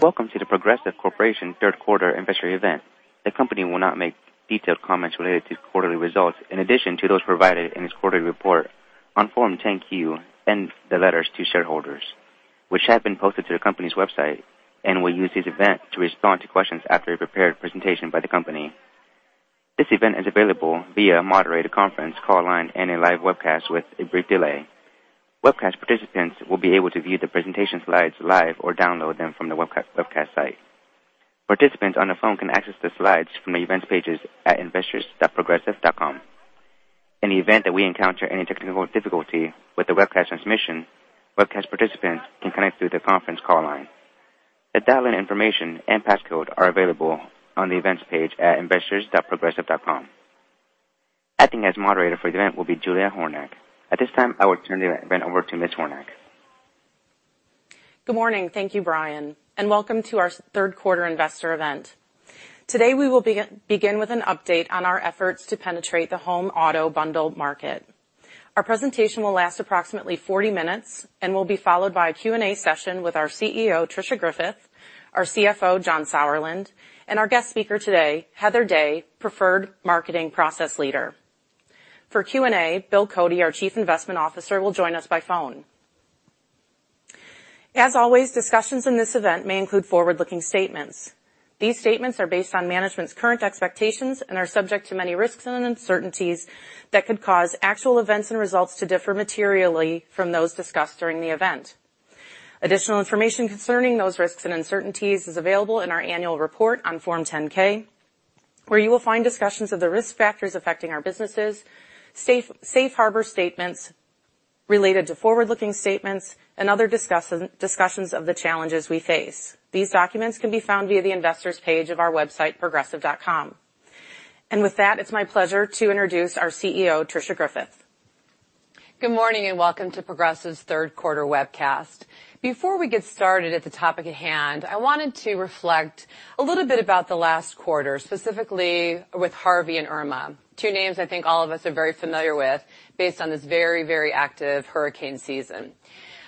Welcome to The Progressive Corporation third quarter investor event. The company will not make detailed comments related to quarterly results in addition to those provided in its quarterly report on Form 10-Q and the letters to shareholders, which have been posted to the company's website, and will use this event to respond to questions after a prepared presentation by the company. This event is available via moderated conference call line and a live webcast with a brief delay. Webcast participants will be able to view the presentation slides live or download them from the webcast site. Participants on the phone can access the slides from the Events pages at investors.progressive.com. In the event that we encounter any technical difficulty with the webcast transmission, webcast participants can connect through the conference call line. The dial-in information and passcode are available on the Events page at investors.progressive.com. Acting as moderator for the event will be Julia Hornack. At this time, I will turn the event over to Ms. Hornack. Good morning. Thank you, Brian, welcome to our third quarter investor event. Today we will begin with an update on our efforts to penetrate the home auto bundle market. Our presentation will last approximately 40 minutes and will be followed by a Q&A session with our CEO, Tricia Griffith, our CFO, John Sauerland, and our guest speaker today, Heather Day, Preferred Marketing Process Leader. For Q&A, Bill Cody, our Chief Investment Officer, will join us by phone. As always, discussions in this event may include forward-looking statements. These statements are based on management's current expectations and are subject to many risks and uncertainties that could cause actual events and results to differ materially from those discussed during the event. Additional information concerning those risks and uncertainties is available in our annual report on Form 10-K, where you will find discussions of the risk factors affecting our businesses, safe harbor statements related to forward-looking statements, and other discussions of the challenges we face. These documents can be found via the investors page of our website, progressive.com. With that, it's my pleasure to introduce our CEO, Tricia Griffith. Good morning, welcome to Progressive's third quarter webcast. Before we get started at the topic at hand, I wanted to reflect a little bit about the last quarter, specifically with Harvey and Irma, two names I think all of us are very familiar with based on this very active hurricane season.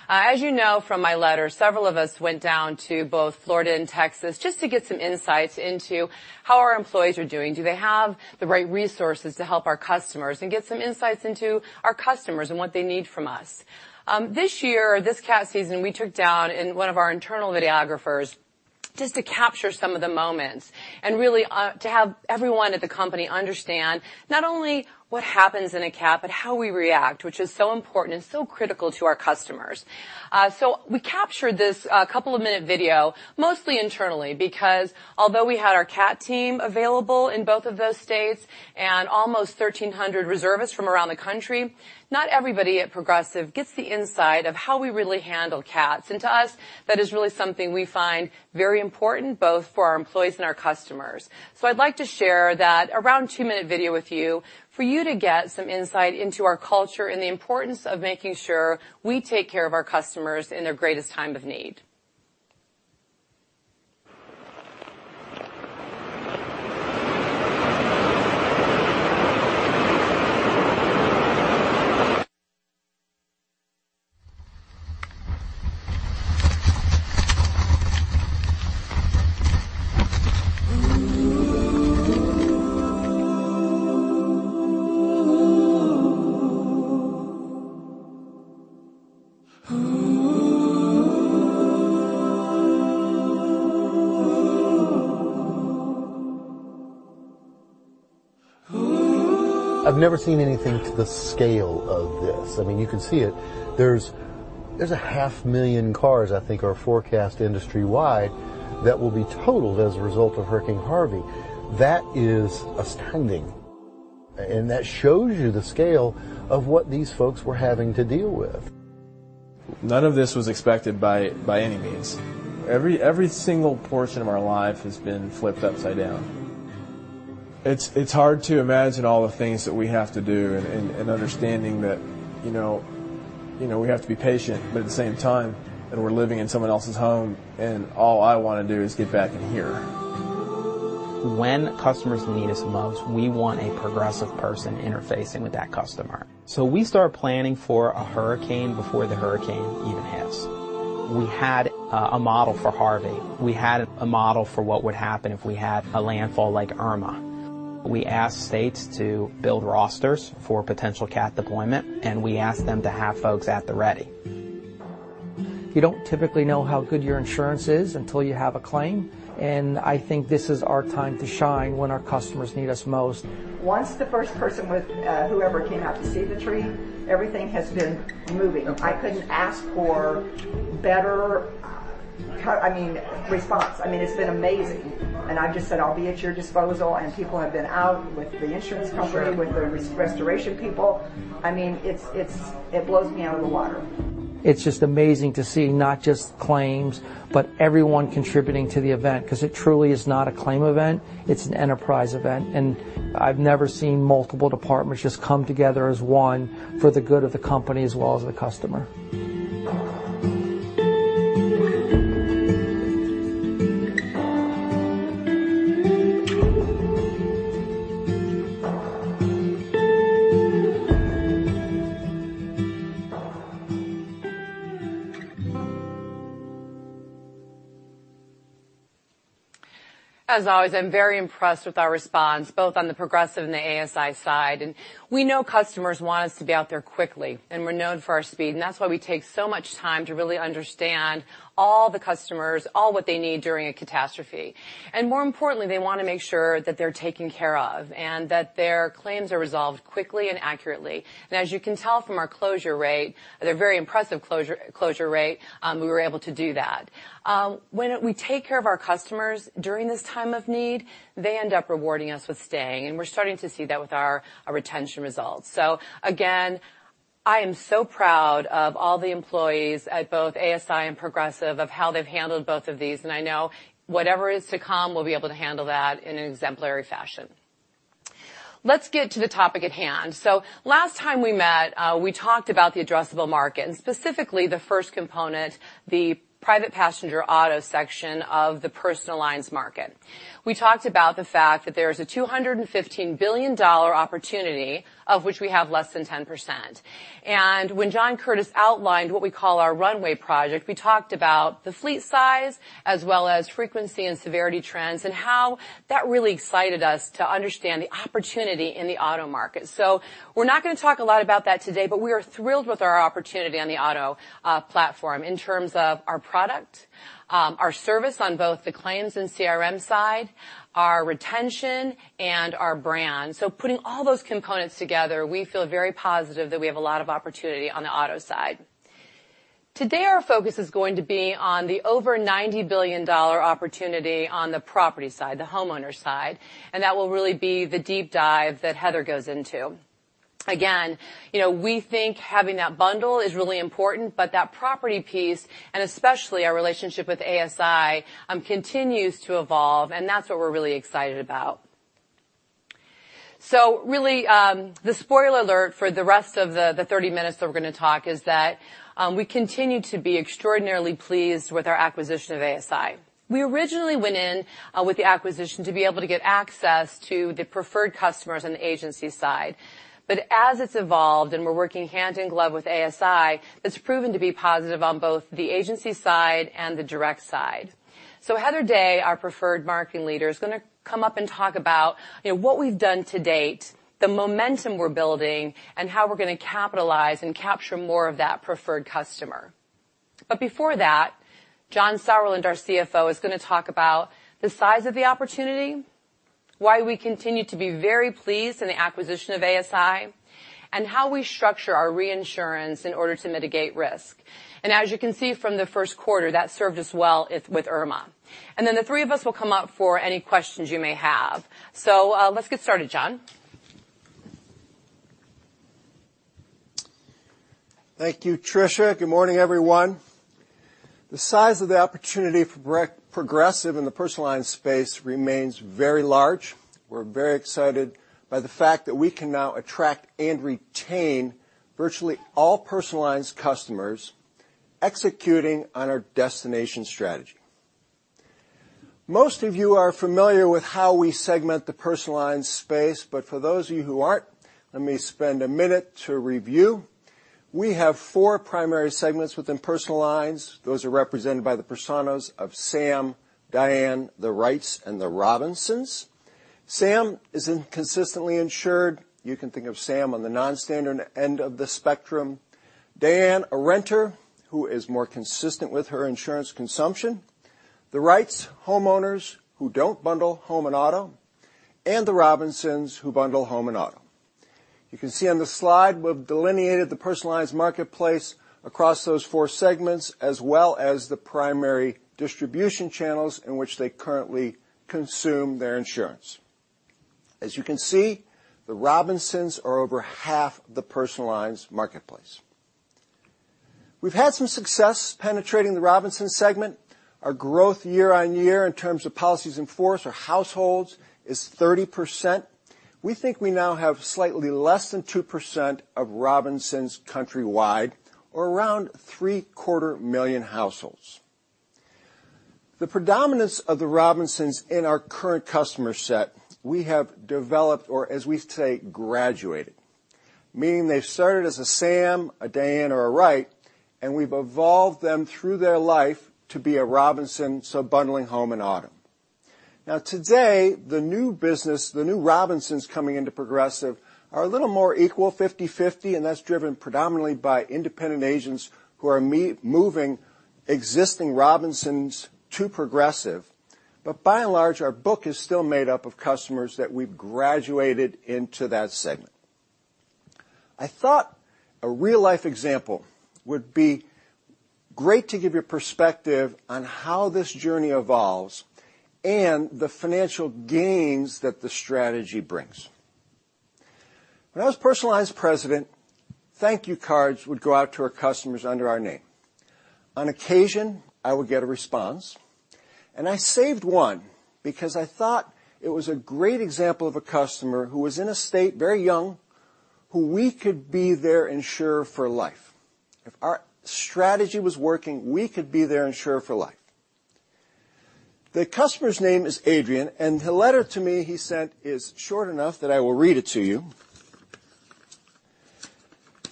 As you know from my letter, several of us went down to both Florida and Texas just to get some insights into how our employees are doing, do they have the right resources to help our customers, and get some insights into our customers and what they need from us. This year, this cat season, we took down one of our internal videographers just to capture some of the moments and really to have everyone at the company understand not only what happens in a cat, but how we react, which is so important and so critical to our customers. We captured this couple of minute video, mostly internally, because although we had our cat team available in both of those states and almost 1,300 reservists from around the country, not everybody at Progressive gets the insight of how we really handle cats. To us, that is really something we find very important, both for our employees and our customers. I'd like to share that around two-minute video with you for you to get some insight into our culture and the importance of making sure we take care of our customers in their greatest time of need. I've never seen anything to the scale of this. You can see it. There's a half million cars, I think, are forecast industry-wide that will be totaled as a result of Hurricane Harvey. That is astounding, that shows you the scale of what these folks were having to deal with. None of this was expected by any means. Every single portion of our life has been flipped upside down. It's hard to imagine all the things that we have to do and understanding that we have to be patient, but at the same time, that we're living in someone else's home, and all I want to do is get back in here. When customers need us most, we want a Progressive person interfacing with that customer. We start planning for a hurricane before the hurricane even hits. We had a model for Hurricane Harvey. We had a model for what would happen if we had a landfall like Hurricane Irma. We asked states to build rosters for potential cat deployment. We asked them to have folks at the ready. You don't typically know how good your insurance is until you have a claim. I think this is our time to shine when our customers need us most. Once the first person with whoever came out to see the tree, everything has been moving. Okay. I couldn't ask for better response. It's been amazing. I've just said, "I'll be at your disposal." People have been out with the insurance company, with the restoration people. It blows me out of the water. It's just amazing to see not just claims, but everyone contributing to the event because it truly is not a claim event, it's an enterprise event. I've never seen multiple departments just come together as one for the good of the company as well as the customer. As always, I'm very impressed with our response, both on the Progressive and the ASI side. We know customers want us to be out there quickly, and we're known for our speed, and that's why we take so much time to really understand all the customers, all what they need during a catastrophe. More importantly, they want to make sure that they're taken care of, and that their claims are resolved quickly and accurately. As you can tell from our closure rate, they're very impressive closure rate, we were able to do that. When we take care of our customers during this time of need, they end up rewarding us with staying, and we're starting to see that with our retention results. Again, I am so proud of all the employees at both ASI and Progressive of how they've handled both of these. I know whatever is to come, we'll be able to handle that in an exemplary fashion. Let's get to the topic at hand. Last time we met, we talked about the addressable market and specifically the first component, the private passenger auto section of the personal lines market. We talked about the fact that there is a $215 billion opportunity, of which we have less than 10%. When John Curtis outlined what we call our runway project, we talked about the fleet size as well as frequency and severity trends, and how that really excited us to understand the opportunity in the auto market. We're not going to talk a lot about that today, but we are thrilled with our opportunity on the auto platform in terms of our product, our service on both the claims and CRM side, our retention, and our brand. Putting all those components together, we feel very positive that we have a lot of opportunity on the auto side. Today, our focus is going to be on the over $90 billion opportunity on the property side, the homeowner side, and that will really be the deep dive that Heather goes into. Again, we think having that bundle is really important, but that property piece, and especially our relationship with ASI, continues to evolve and that's what we're really excited about. Really, the spoiler alert for the rest of the 30 minutes that we're going to talk is that, we continue to be extraordinarily pleased with our acquisition of ASI. We originally went in with the acquisition to be able to get access to the preferred customers on the agency side. As it's evolved and we're working hand in glove with ASI, it's proven to be positive on both the agency side and the direct side. Heather Day, our Preferred Marketing Leader, is going to come up and talk about what we've done to date, the momentum we're building, and how we're going to capitalize and capture more of that preferred customer. Before that, John Sauerland, our CFO, is going to talk about the size of the opportunity, why we continue to be very pleased in the acquisition of ASI, and how we structure our reinsurance in order to mitigate risk. As you can see from the first quarter, that served us well with Hurricane Irma. Then the three of us will come up for any questions you may have. Let's get started, John. Thank you, Tricia. Good morning, everyone. The size of the opportunity for Progressive in the Personal Lines space remains very large. We're very excited by the fact that we can now attract and retain virtually all Personal Lines customers executing on our Destination Strategy. Most of you are familiar with how we segment the Personal Lines space, but for those of you who aren't, let me spend a minute to review. We have four primary segments within Personal Lines. Those are represented by the personas of Sam, Diane, the Wrights, and the Robinsons. Sam is inconsistently insured. You can think of Sam on the non-standard end of the spectrum. Diane, a renter who is more consistent with her insurance consumption, the Wrights, homeowners who don't bundle home and auto, and the Robinsons who bundle home and auto. You can see on the slide, we've delineated the Personal Lines marketplace across those four segments, as well as the primary distribution channels in which they currently consume their insurance. As you can see, the Robinsons are over half the Personal Lines marketplace. We've had some success penetrating the Robinson segment. Our growth year-on-year in terms of policies in force or households is 30%. We think we now have slightly less than 2% of Robinsons countrywide, or around three-quarter million households. The predominance of the Robinsons in our current customer set, we have developed, or as we say, graduated, meaning they've started as a Sam, a Diane, or a Wright, and we've evolved them through their life to be a Robinson, so bundling home and auto. Today, the new business, the new Robinsons coming into Progressive are a little more equal, 50/50, and that's driven predominantly by independent agents who are moving existing Robinsons to Progressive. By and large, our book is still made up of customers that we've graduated into that segment. I thought a real-life example would be great to give you perspective on how this journey evolves and the financial gains that the strategy brings. When I was Personal Lines President, thank you cards would go out to our customers under our name. On occasion, I would get a response, and I saved one because I thought it was a great example of a customer who was in a state, very young, who we could be their insurer for life. If our strategy was working, we could be their insurer for life. The customer's name is Adrian, and the letter to me he sent is short enough that I will read it to you.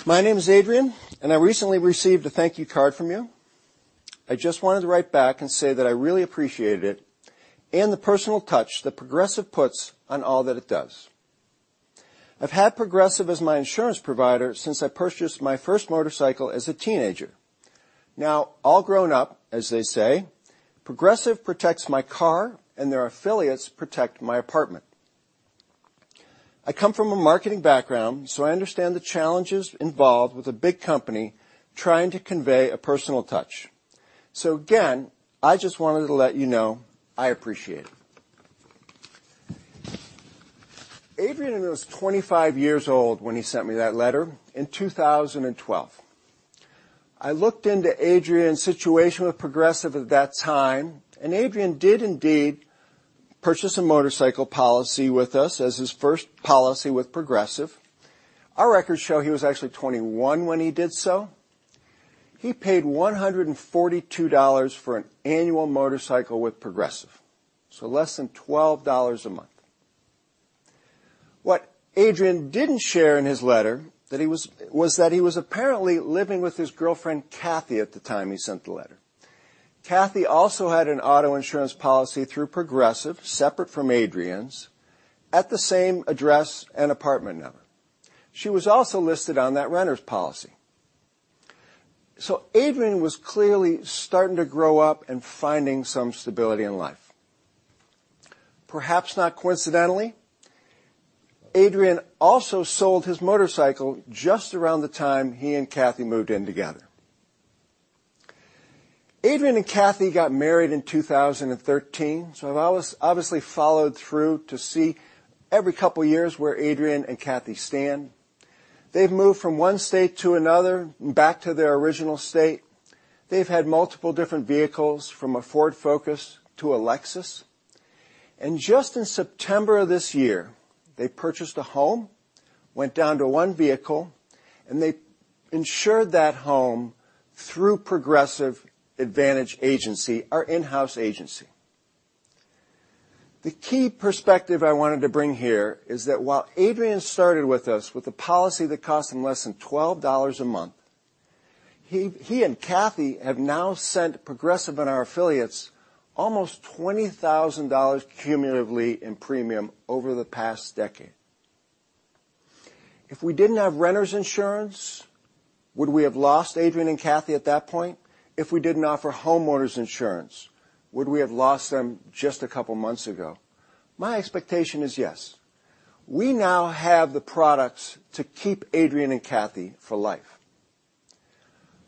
"My name is Adrian, I recently received a thank you card from you. I just wanted to write back and say that I really appreciated it, and the personal touch that Progressive puts on all that it does. I've had Progressive as my insurance provider since I purchased my first motorcycle as a teenager. Now all grown up, as they say, Progressive protects my car, and their affiliates protect my apartment. I come from a marketing background, I understand the challenges involved with a big company trying to convey a personal touch. Again, I just wanted to let you know I appreciate it." Adrian was 25 years old when he sent me that letter in 2012. I looked into Adrian's situation with Progressive at that time, Adrian did indeed purchase a motorcycle policy with us as his first policy with Progressive. Our records show he was actually 21 when he did so. He paid $142 for an annual motorcycle with Progressive, less than $12 a month. What Adrian didn't share in his letter was that he was apparently living with his girlfriend, Cathy, at the time he sent the letter. Cathy also had an auto insurance policy through Progressive, separate from Adrian's, at the same address and apartment number. She was also listed on that renter's policy. Adrian was clearly starting to grow up and finding some stability in life. Perhaps not coincidentally, Adrian also sold his motorcycle just around the time he and Cathy moved in together. Adrian and Cathy got married in 2013, I've obviously followed through to see every couple of years where Adrian and Cathy stand. They've moved from one state to another and back to their original state. They've had multiple different vehicles, from a Ford Focus to a Lexus. Just in September of this year, they purchased a home, went down to one vehicle, and they insured that home through Progressive Advantage Agency, our in-house agency. The key perspective I wanted to bring here is that while Adrian started with us with a policy that cost him less than $12 a month, he and Cathy have now sent Progressive and our affiliates almost $20,000 cumulatively in premium over the past decade. If we didn't have renters insurance, would we have lost Adrian and Cathy at that point? If we didn't offer homeowners insurance, would we have lost them just a couple of months ago? My expectation is yes. We now have the products to keep Adrian and Cathy for life.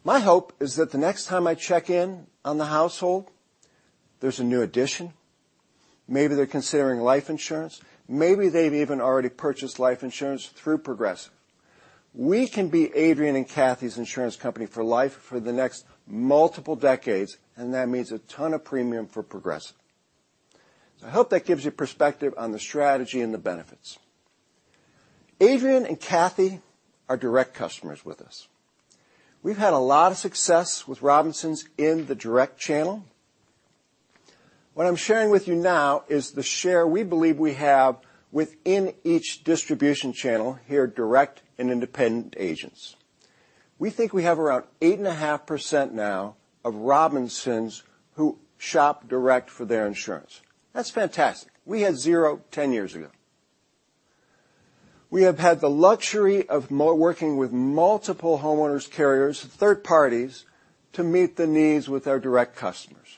My hope is that the next time I check in on the household, there's a new addition. Maybe they're considering life insurance. Maybe they've even already purchased life insurance through Progressive. We can be Adrian and Cathy's insurance company for life for the next multiple decades, and that means a ton of premium for Progressive. I hope that gives you perspective on the strategy and the benefits. Adrian and Cathy are direct customers with us. We've had a lot of success with Robinsons in the direct channel. What I'm sharing with you now is the share we believe we have within each distribution channel, here direct and independent agents. We think we have around 8.5% now of Robinsons who shop direct for their insurance. That's fantastic. We had zero 10 years ago. We have had the luxury of working with multiple homeowners carriers, third parties, to meet the needs with our direct customers.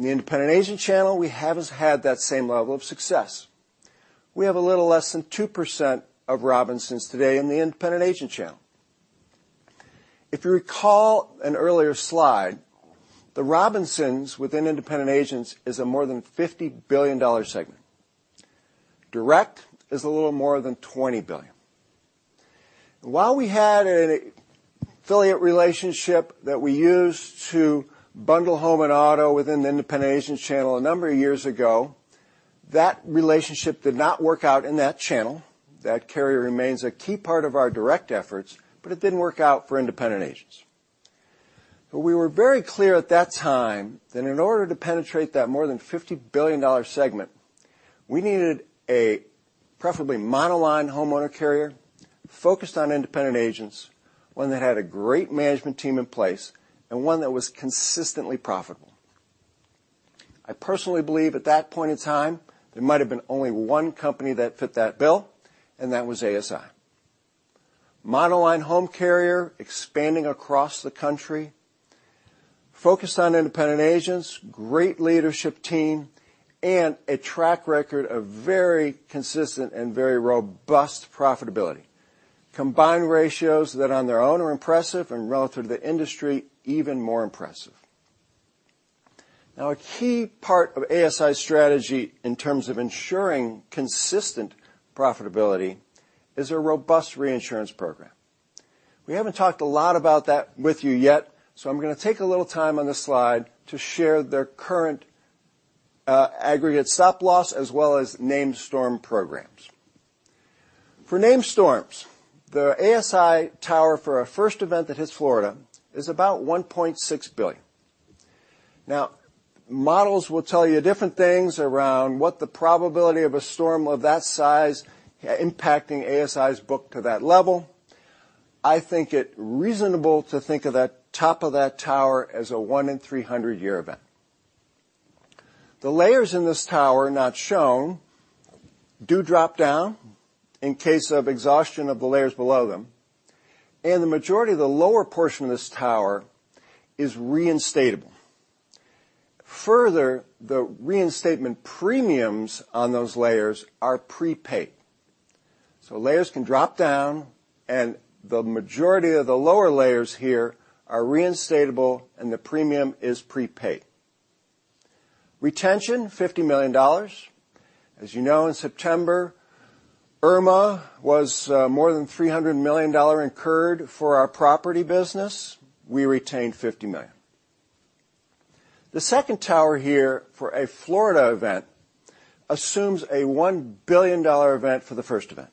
In the independent agent channel, we haven't had that same level of success. We have a little less than 2% of Robinsons today in the independent agent channel. If you recall an earlier slide, the Robinsons within independent agents is a more than $50 billion segment. Direct is a little more than $20 billion. While we had an affiliate relationship that we used to bundle home and auto within the independent agents channel a number of years ago, that relationship did not work out in that channel. That carrier remains a key part of our direct efforts, but it didn't work out for independent agents. We were very clear at that time that in order to penetrate that more than $50 billion segment, we needed a preferably monoline homeowner carrier focused on independent agents, one that had a great management team in place, and one that was consistently profitable. I personally believe at that point in time, there might have been only one company that fit that bill, and that was ASI. Monoline home carrier expanding across the country, focused on independent agents, great leadership team, and a track record of very consistent and very robust profitability. Combined ratios that on their own are impressive and relative to the industry, even more impressive. A key part of ASI's strategy in terms of ensuring consistent profitability is a robust reinsurance program. We haven't talked a lot about that with you yet, I'm going to take a little time on this slide to share their current aggregate stop loss as well as named storm programs For named storms, the ASI tower for a first event that hits Florida is about $1.6 billion. Now, models will tell you different things around what the probability of a storm of that size impacting ASI's book to that level. I think it reasonable to think of that top of that tower as a one in 300 year event. The layers in this tower not shown do drop down in case of exhaustion of the layers below them, and the majority of the lower portion of this tower is reinstatable. Further, the reinstatement premiums on those layers are prepaid. Layers can drop down, and the majority of the lower layers here are reinstatable, and the premium is prepaid. Retention, $50 million. As you know, in September, Irma was more than $300 million incurred for our property business. We retained $50 million. The second tower here for a Florida event assumes a $1 billion event for the first event.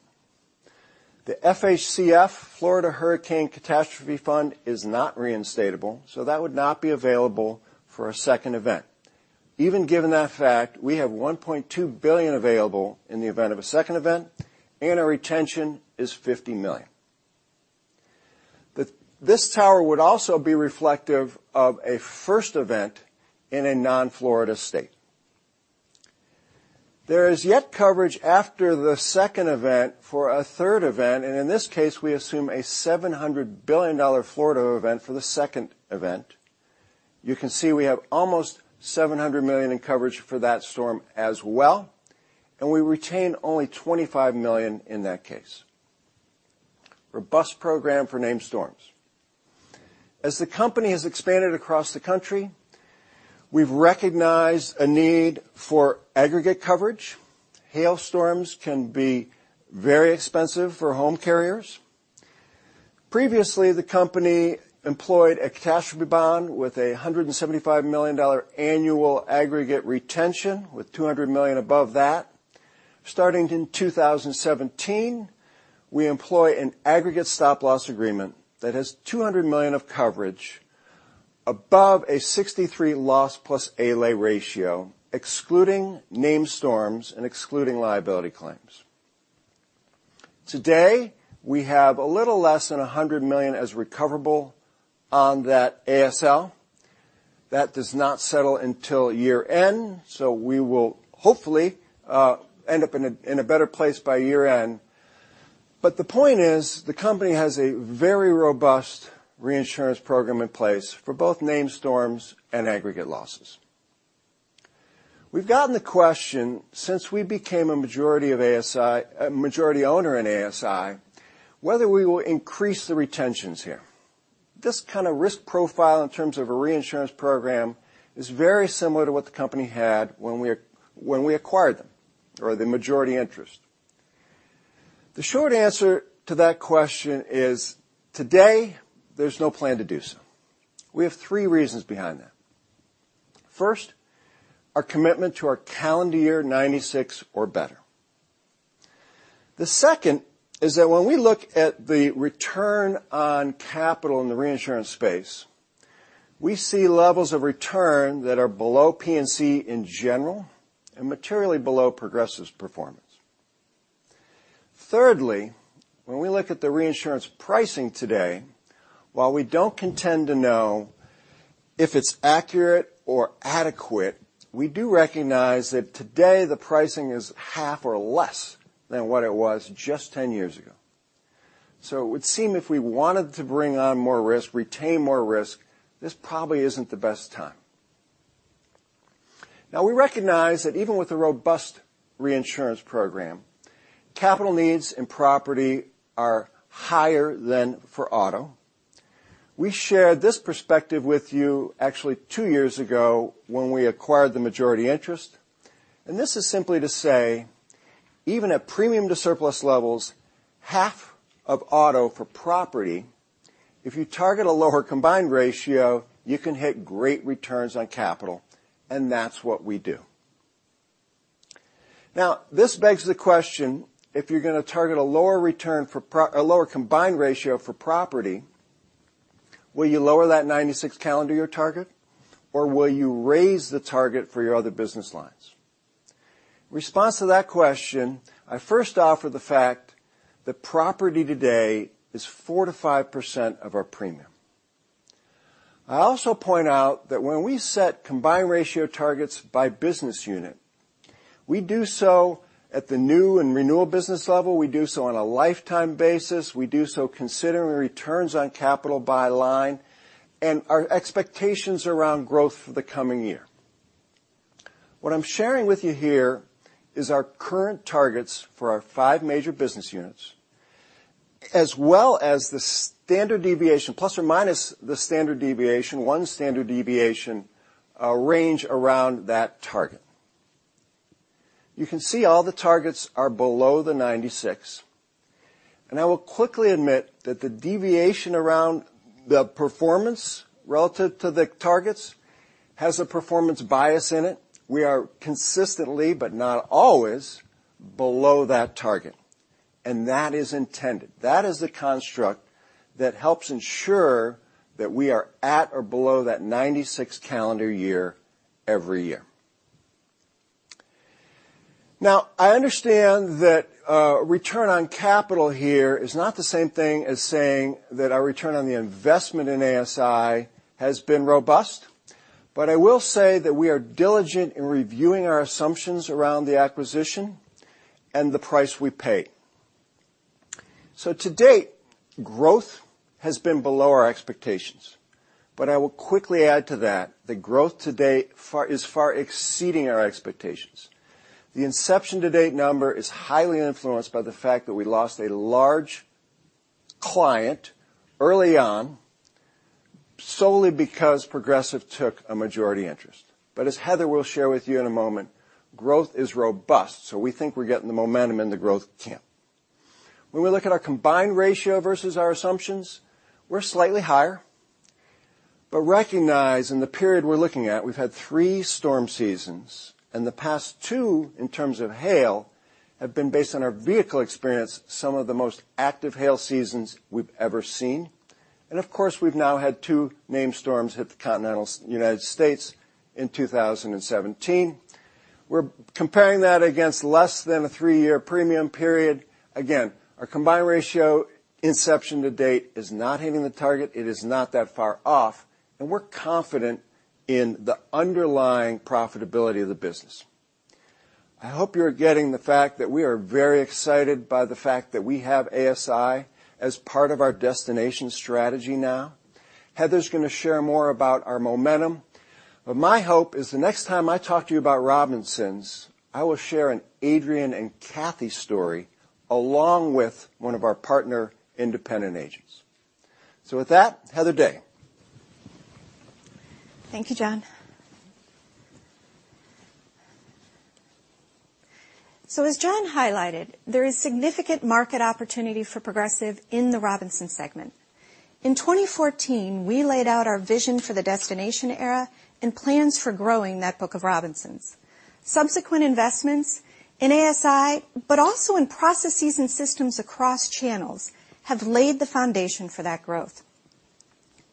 The FHCF, Florida Hurricane Catastrophe Fund, is not reinstatable, so that would not be available for a second event. Even given that fact, we have $1.2 billion available in the event of a second event, and our retention is $50 million. This tower would also be reflective of a first event in a non-Florida state. There is yet coverage after the second event for a third event, and in this case, we assume a $700 million Florida event for the second event. You can see we have almost $700 million in coverage for that storm as well. We retain only $25 million in that case. Robust program for named storms. As the company has expanded across the country, we've recognized a need for aggregate coverage. Hailstorms can be very expensive for home carriers. Previously, the company employed a catastrophe bond with $175 million annual aggregate retention, with $200 million above that. Starting in 2017, we employ an aggregate stop loss agreement that has $200 million of coverage above a 63 loss plus ALAE ratio, excluding named storms and excluding liability claims. Today, we have a little less than $100 million as recoverable on that ASL. That does not settle until year-end, so we will hopefully, end up in a better place by year-end. The point is, the company has a very robust reinsurance program in place for both named storms and aggregate losses. We've gotten the question since we became a majority owner in ASI, whether we will increase the retentions here. This kind of risk profile in terms of a reinsurance program is very similar to what the company had when we acquired them, or the majority interest. The short answer to that question is today, there's no plan to do so. We have three reasons behind that. First, our commitment to our calendar year 96 or better. The second is that when we look at the return on capital in the reinsurance space, we see levels of return that are below P&C in general and materially below Progressive's performance. Thirdly, when we look at the reinsurance pricing today, while we don't contend to know if it's accurate or adequate, we do recognize that today the pricing is half or less than what it was just 10 years ago. It would seem if we wanted to bring on more risk, retain more risk, this probably isn't the best time. We recognize that even with a robust reinsurance program, capital needs and property are higher than for auto. We shared this perspective with you actually two years ago when we acquired the majority interest, and this is simply to say, even at premium to surplus levels, half of auto for property, if you target a lower combined ratio, you can hit great returns on capital, and that's what we do. This begs the question, if you're going to target a lower combined ratio for property, will you lower that 96 calendar year target? Will you raise the target for your other business lines? Response to that question, I first offer the fact that property today is 4% to 5% of our premium. I also point out that when we set combined ratio targets by business unit, we do so at the new and renewal business level. We do so on a lifetime basis. We do so considering returns on capital by line and our expectations around growth for the coming year. What I'm sharing with you here is our current targets for our five major business units, as well as the standard deviation, plus or minus the standard deviation, one standard deviation, range around that target. You can see all the targets are below the 96. I will quickly admit that the deviation around the performance relative to the targets has a performance bias in it. We are consistently, but not always below that target, and that is intended. That is the construct that helps ensure that we are at or below that 96 calendar year every year. I understand that return on capital here is not the same thing as saying that our return on the investment in ASI has been robust, but I will say that we are diligent in reviewing our assumptions around the acquisition and the price we pay. To date, growth has been below our expectations, but I will quickly add to that, the growth to date is far exceeding our expectations. The inception to date number is highly influenced by the fact that we lost a large client early on solely because Progressive took a majority interest. As Heather will share with you in a moment, growth is robust. We think we're getting the momentum in the growth camp. When we look at our combined ratio versus our assumptions, we're slightly higher, but recognize in the period we're looking at, we've had three storm seasons, and the past two, in terms of hail, have been based on our vehicle experience, some of the most active hail seasons we've ever seen. Of course, we've now had two named storms hit the continental U.S. in 2017. We're comparing that against less than a three-year premium period. Again, our combined ratio inception to date is not hitting the target. It is not that far off, and we're confident in the underlying profitability of the business. I hope you're getting the fact that we are very excited by the fact that we have ASI as part of our Destination Strategy now. Heather's going to share more about our momentum, but my hope is the next time I talk to you about Robinsons, I will share an Adrian and Cathy story along with one of our partner independent agents. With that, Heather Day. Thank you, John. As John highlighted, there is significant market opportunity for Progressive in the Robinsons segment. In 2014, we laid out our vision for the Destination Era and plans for growing that book of Robinsons. Subsequent investments in ASI, but also in processes and systems across channels, have laid the foundation for that growth.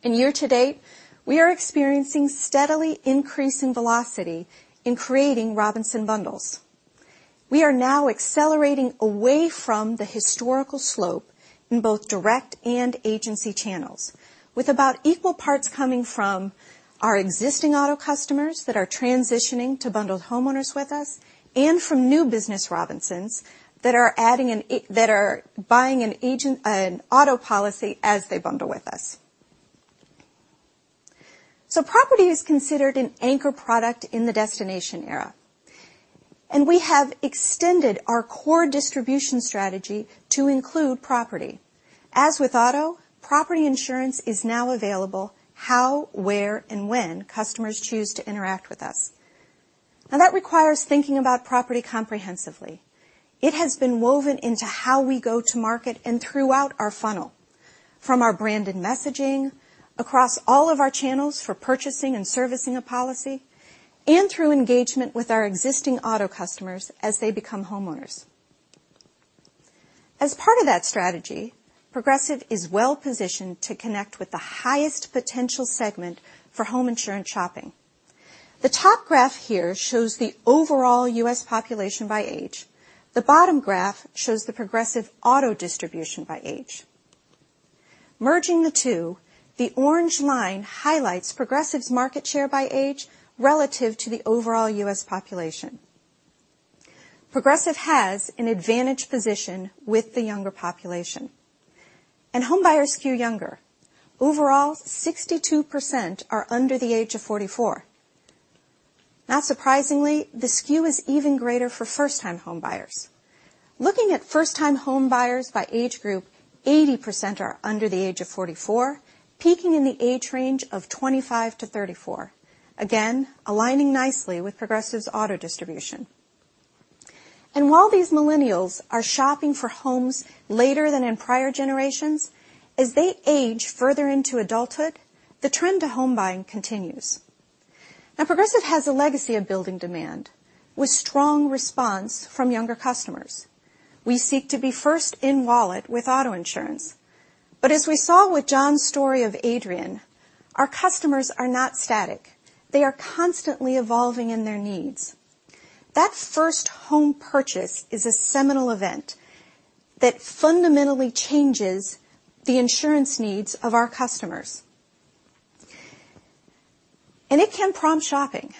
In year to date, we are experiencing steadily increasing velocity in creating Robinson bundles. We are now accelerating away from the historical slope in both direct and agency channels, with about equal parts coming from our existing auto customers that are transitioning to bundled homeowners with us and from new business Robinsons that are buying an auto policy as they bundle with us. Property is considered an anchor product in the Destination Era, and we have extended our core distribution strategy to include property. As with auto, property insurance is now available how, where, and when customers choose to interact with us. That requires thinking about property comprehensively. It has been woven into how we go to market and throughout our funnel, from our branded messaging, across all of our channels for purchasing and servicing a policy, and through engagement with our existing auto customers as they become homeowners. As part of that strategy, Progressive is well-positioned to connect with the highest potential segment for home insurance shopping. The top graph here shows the overall U.S. population by age. The bottom graph shows the Progressive auto distribution by age. Merging the two, the orange line highlights Progressive's market share by age relative to the overall U.S. population. Progressive has an advantage position with the younger population, and homebuyers skew younger. Overall, 62% are under the age of 44. Not surprisingly, the skew is even greater for first-time homebuyers. Looking at first-time homebuyers by age group, 80% are under the age of 44, peaking in the age range of 25 to 34. Again, aligning nicely with Progressive's auto distribution. While these millennials are shopping for homes later than in prior generations, as they age further into adulthood, the trend to home buying continues. Progressive has a legacy of building demand with strong response from younger customers. We seek to be first in wallet with auto insurance. As we saw with John's story of Adrian, our customers are not static. They are constantly evolving in their needs. That first home purchase is a seminal event that fundamentally changes the insurance needs of our customers, and it can prompt shopping.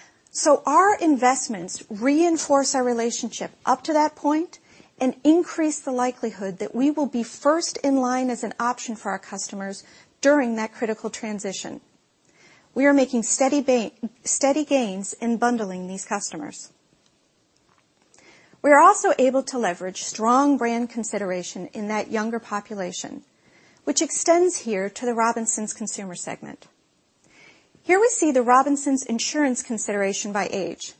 Our investments reinforce our relationship up to that point and increase the likelihood that we will be first in line as an option for our customers during that critical transition. We are making steady gains in bundling these customers. We are also able to leverage strong brand consideration in that younger population, which extends here to the Robinsons consumer segment. Here we see the Robinsons insurance consideration by age.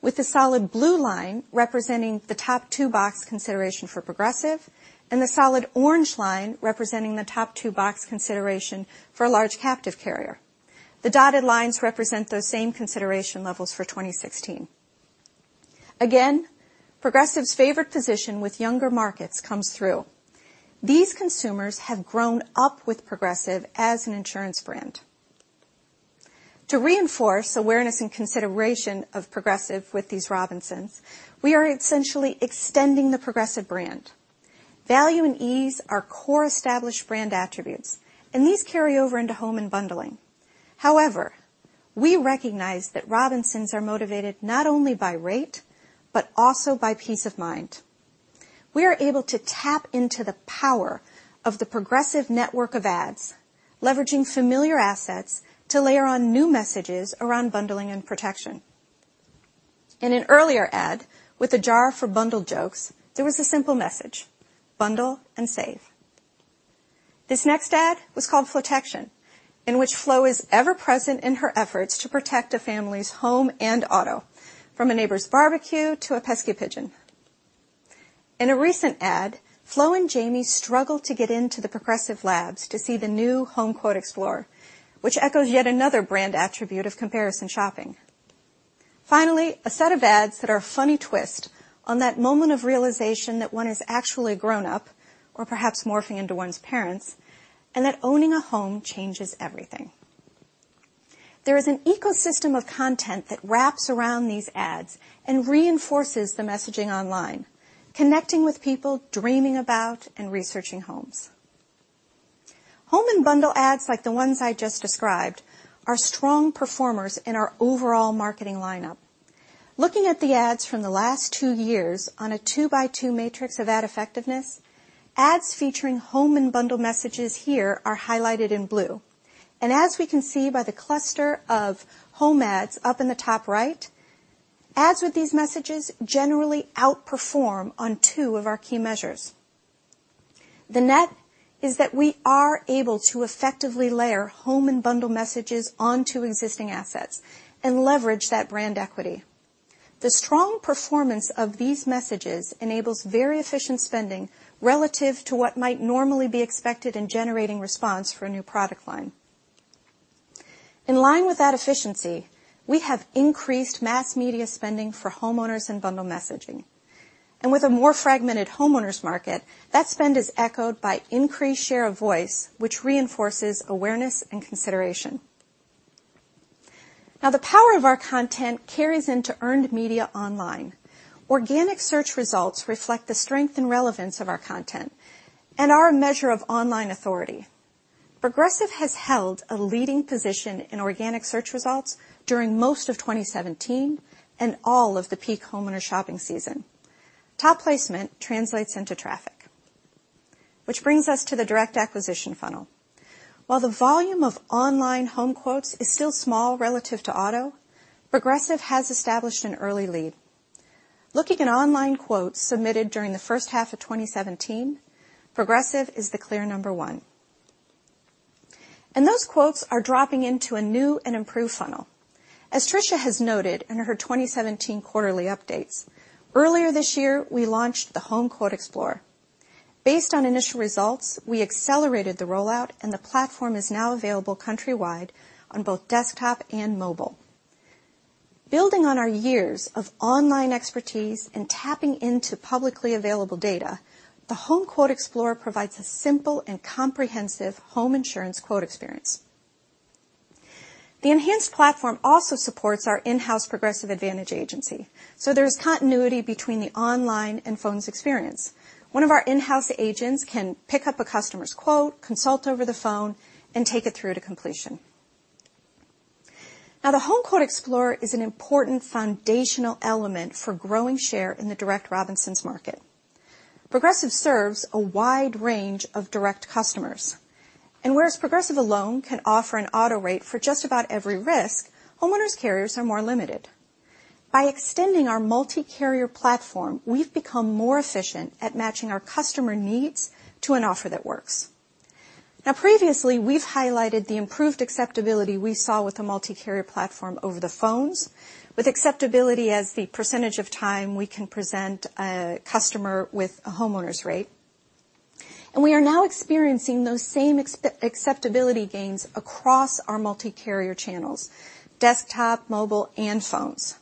With the solid blue line representing the top two box consideration for Progressive, and the solid orange line representing the top two box consideration for a large captive carrier. The dotted lines represent those same consideration levels for 2016. Again, Progressive's favored position with younger markets comes through. These consumers have grown up with Progressive as an insurance brand. To reinforce awareness and consideration of Progressive with these Robinsons, we are essentially extending the Progressive brand. Value and ease are core established brand attributes, and these carry over into home and bundling. However, we recognize that Robinsons are motivated not only by rate, but also by peace of mind. We are able to tap into the power of the Progressive network of ads, leveraging familiar assets to layer on new messages around bundling and protection. In an earlier ad with a jar for bundle jokes, there was a simple message, bundle and save. This next ad was called Flotection, in which Flo is ever present in her efforts to protect a family's home and auto, from a neighbor's barbecue to a pesky pigeon. In a recent ad, Flo and Jamie struggle to get into the Progressive labs to see the new HomeQuote Explorer, which echoes yet another brand attribute of comparison shopping. Finally, a set of ads that are a funny twist on that moment of realization that one is actually a grownup, or perhaps morphing into one's parents, and that owning a home changes everything. There is an ecosystem of content that wraps around these ads and reinforces the messaging online, connecting with people dreaming about and researching homes. Home and bundle ads like the ones I just described are strong performers in our overall marketing lineup. Looking at the ads from the last two years on a two-by-two matrix of ad effectiveness, ads featuring home and bundle messages here are highlighted in blue. As we can see by the cluster of home ads up in the top right, ads with these messages generally outperform on two of our key measures. The net is that we are able to effectively layer home and bundle messages onto existing assets and leverage that brand equity. The strong performance of these messages enables very efficient spending relative to what might normally be expected in generating response for a new product line. In line with that efficiency, we have increased mass media spending for homeowners and bundle messaging. With a more fragmented homeowners market, that spend is echoed by increased share of voice, which reinforces awareness and consideration. The power of our content carries into earned media online. Organic search results reflect the strength and relevance of our content and are a measure of online authority. Progressive has held a leading position in organic search results during most of 2017 and all of the peak homeowner shopping season. Top placement translates into traffic, which brings us to the direct acquisition funnel. While the volume of online home quotes is still small relative to auto, Progressive has established an early lead. Looking at online quotes submitted during the first half of 2017, Progressive is the clear number 1. Those quotes are dropping into a new and improved funnel. As Tricia has noted in her 2017 quarterly updates, earlier this year, we launched the HomeQuote. Based on initial results, we accelerated the rollout, and the platform is now available countrywide on both desktop and mobile. Building on our years of online expertise and tapping into publicly available data, the HomeQuote provides a simple and comprehensive home insurance quote experience. The enhanced platform also supports our in-house Progressive Advantage Agency, so there's continuity between the online and phones experience. One of our in-house agents can pick up a customer's quote, consult over the phone, and take it through to completion. The HomeQuote Explorer is an important foundational element for growing share in the direct Robinsons market. Progressive serves a wide range of direct customers, and whereas Progressive alone can offer an auto rate for just about every risk, homeowners carriers are more limited. By extending our multi-carrier platform, we've become more efficient at matching our customer needs to an offer that works. Previously, we've highlighted the improved acceptability we saw with the multi-carrier platform over the phones with acceptability as the percentage of time we can present a customer with a homeowner's rate. We are now experiencing those same acceptability gains across our multi-carrier channels, desktop, mobile, and phones.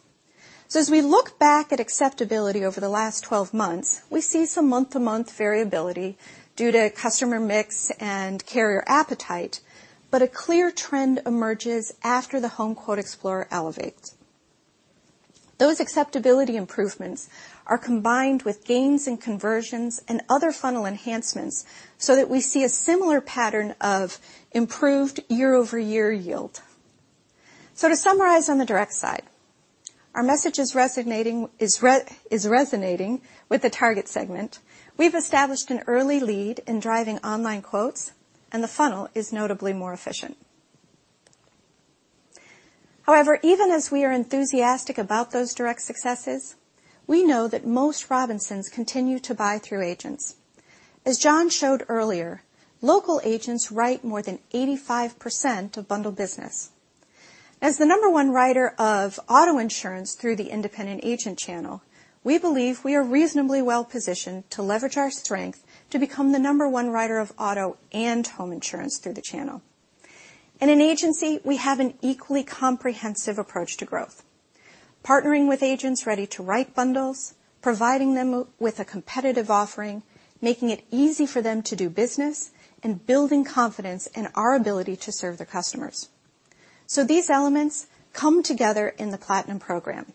As we look back at acceptability over the last 12 months, we see some month-to-month variability due to customer mix and carrier appetite, but a clear trend emerges after the HomeQuote Explorer elevates. Those acceptability improvements are combined with gains in conversions and other funnel enhancements so that we see a similar pattern of improved year-over-year yield. To summarize on the direct side, our message is resonating with the target segment. We've established an early lead in driving online quotes, and the funnel is notably more efficient. However, even as we are enthusiastic about those direct successes, we know that most Robinsons continue to buy through agents. As John showed earlier, local agents write more than 85% of bundle business. As the number one writer of auto insurance through the independent agent channel, we believe we are reasonably well positioned to leverage our strength to become the number one writer of auto and home insurance through the channel. In an agency, we have an equally comprehensive approach to growth. Partnering with agents ready to write bundles, providing them with a competitive offering, making it easy for them to do business, and building confidence in our ability to serve their customers. These elements come together in the Platinum program.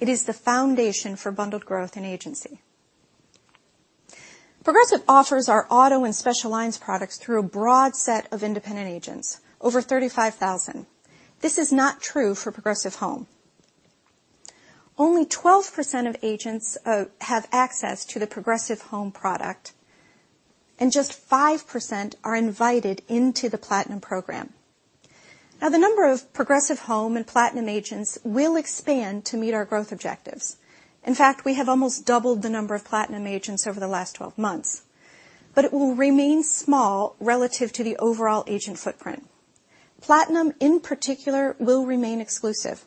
It is the foundation for bundled growth in agency. Progressive offers our auto and special lines products through a broad set of independent agents, over 35,000. This is not true for Progressive Home. Only 12% of agents have access to the Progressive Home product, and just 5% are invited into the Platinum program. The number of Progressive Home and Platinum agents will expand to meet our growth objectives. In fact, we have almost doubled the number of Platinum agents over the last 12 months. It will remain small relative to the overall agent footprint. Platinum, in particular, will remain exclusive.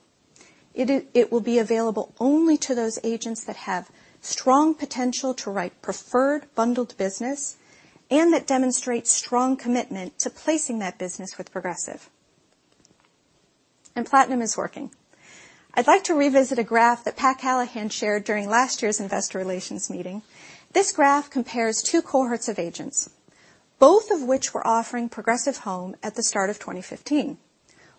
It will be available only to those agents that have strong potential to write preferred bundled business and that demonstrate strong commitment to placing that business with Progressive. Platinum is working. I'd like to revisit a graph that Pat Callahan shared during last year's investor relations meeting. This graph compares two cohorts of agents, both of which were offering Progressive Home at the start of 2015.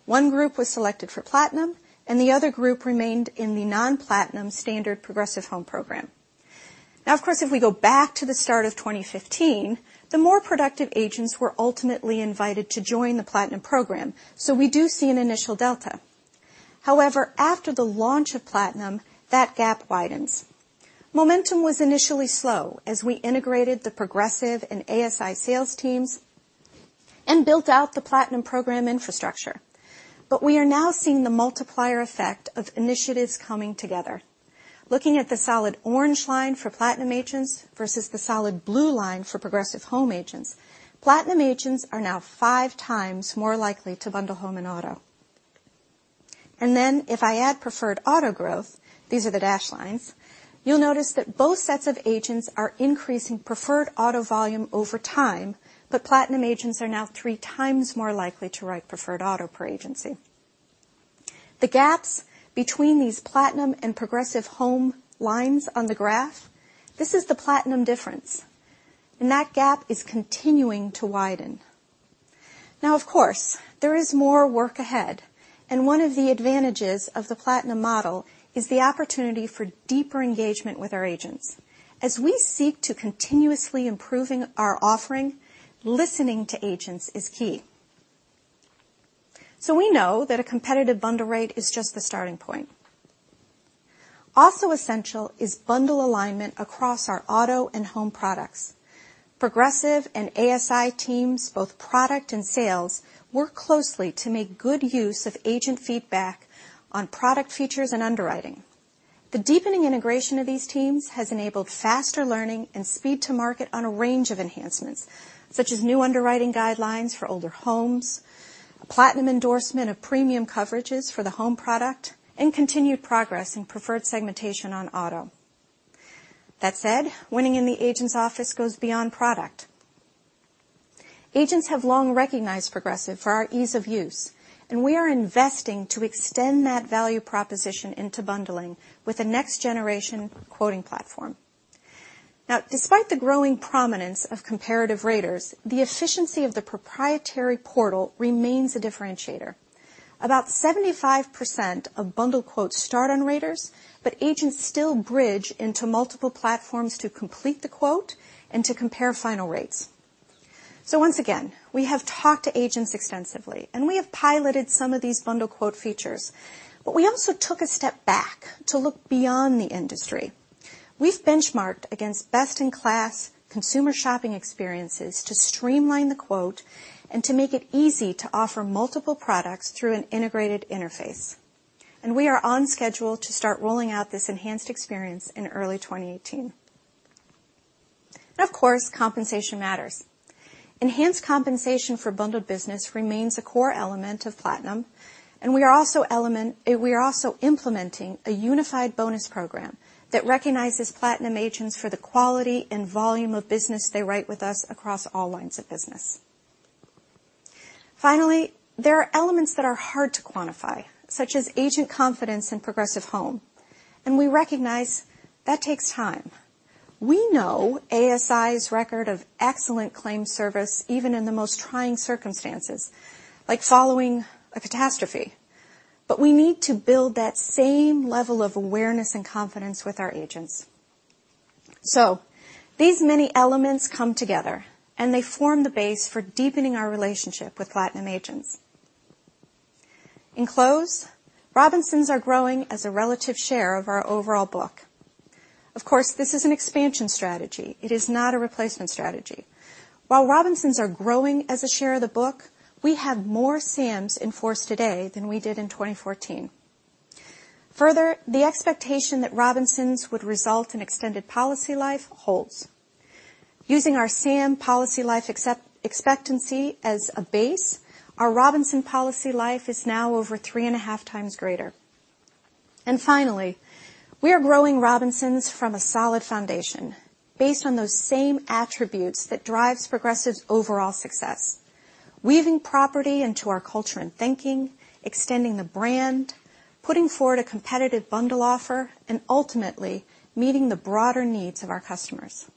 One group was selected for Platinum, and the other group remained in the non-Platinum standard Progressive Home program. Of course, if we go back to the start of 2015, the more productive agents were ultimately invited to join the Platinum program, we do see an initial delta. However, after the launch of Platinum, that gap widens. Momentum was initially slow as we integrated the Progressive and ASI sales teams and built out the Platinum program infrastructure. We are now seeing the multiplier effect of initiatives coming together. Looking at the solid orange line for Platinum agents versus the solid blue line for Progressive Home agents, Platinum agents are now five times more likely to bundle home and auto. If I add preferred auto growth, these are the dashed lines, you'll notice that both sets of agents are increasing preferred auto volume over time, but Platinum agents are now three times more likely to write preferred auto per agency. The gaps between these Platinum and Progressive Home lines on the graph, this is the Platinum difference, and that gap is continuing to widen. Of course, there is more work ahead, and one of the advantages of the Platinum model is the opportunity for deeper engagement with our agents. As we seek to continuously improving our offering, listening to agents is key. We know that a competitive bundle rate is just the starting point. Also essential is bundle alignment across our auto and home products. Progressive and ASI teams, both product and sales, work closely to make good use of agent feedback on product features and underwriting. The deepening integration of these teams has enabled faster learning and speed to market on a range of enhancements, such as new underwriting guidelines for older homes, a Platinum endorsement of premium coverages for the home product, and continued progress in preferred segmentation on auto. That said, winning in the agent's office goes beyond product. Agents have long recognized Progressive for our ease of use. We are investing to extend that value proposition into bundling with a next generation quoting platform. Despite the growing prominence of comparative raters, the efficiency of the proprietary portal remains a differentiator. About 75% of bundle quotes start on raters, agents still bridge into multiple platforms to complete the quote and to compare final rates. Once again, we have talked to agents extensively. We have piloted some of these bundle quote features, we also took a step back to look beyond the industry. We've benchmarked against best-in-class consumer shopping experiences to streamline the quote and to make it easy to offer multiple products through an integrated interface. We are on schedule to start rolling out this enhanced experience in early 2018. Of course, compensation matters. Enhanced compensation for bundled business remains a core element of Platinum. We are also implementing a unified bonus program that recognizes Platinum agents for the quality and volume of business they write with us across all lines of business. Finally, there are elements that are hard to quantify, such as agent confidence in Progressive Home. We recognize that takes time. We know ASI's record of excellent claim service, even in the most trying circumstances, like following a catastrophe. We need to build that same level of awareness and confidence with our agents. These many elements come together, and they form the base for deepening our relationship with Platinum agents. In close, Robinsons are growing as a relative share of our overall book. Of course, this is an expansion strategy. It is not a replacement strategy. While Robinsons are growing as a share of the book, we have more Sams in force today than we did in 2014. Further, the expectation that Robinsons would result in extended policy life holds. Using our Sam policy life expectancy as a base, our Robinson policy life is now over three and a half times greater. Finally, we are growing Robinsons from a solid foundation based on those same attributes that drives Progressive's overall success. Weaving property into our culture and thinking, extending the brand, putting forward a competitive bundle offer, and ultimately meeting the broader needs of our customers.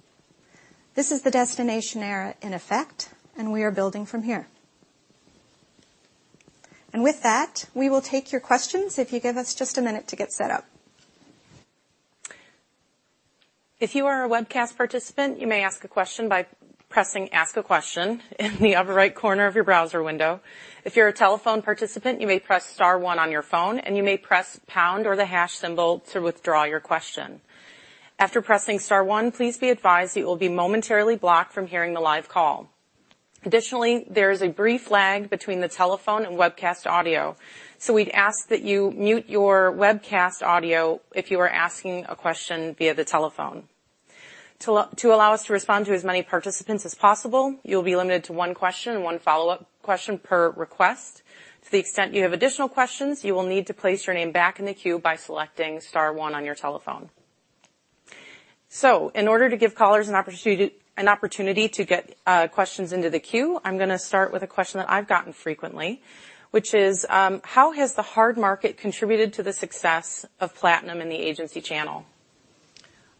This is the Destination Era in effect, we are building from here. With that, we will take your questions if you give us just a minute to get set up. If you are a webcast participant, you may ask a question by pressing Ask a Question in the upper right corner of your browser window. If you're a telephone participant, you may press star one on your phone, and you may press pound or the hash symbol to withdraw your question. After pressing star one, please be advised that you will be momentarily blocked from hearing the live call. Additionally, there is a brief lag between the telephone and webcast audio. We'd ask that you mute your webcast audio if you are asking a question via the telephone. To allow us to respond to as many participants as possible, you'll be limited to one question and one follow-up question per request. To the extent you have additional questions, you will need to place your name back in the queue by selecting star one on your telephone. In order to give callers an opportunity to get questions into the queue, I'm going to start with a question that I've gotten frequently, which is, how has the hard market contributed to the success of Platinum and the agency channel?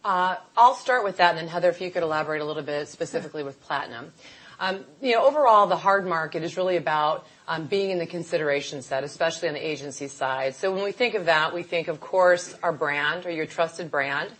I'll start with that, then Heather, if you could elaborate a little bit specifically with Platinum. Overall, the hard market is really about being in the consideration set, especially on the agency side. When we think of that, we think, of course, our brand or your trusted brand.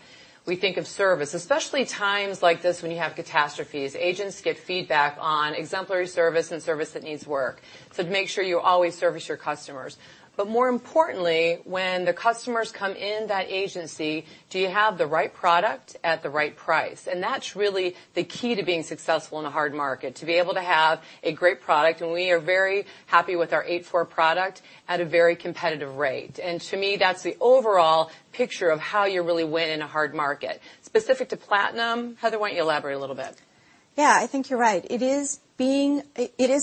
We think of service, especially times like this when you have catastrophes. Agents get feedback on exemplary service and service that needs work. To make sure you always service your customers. More importantly, when the customers come in that agency, do you have the right product at the right price? That's really the key to being successful in a hard market, to be able to have a great product, and we are very happy with our 8-4 product at a very competitive rate. To me, that's the overall picture of how you really win in a hard market. Specific to Platinum, Heather, why don't you elaborate a little bit? Yeah, I think you're right. It is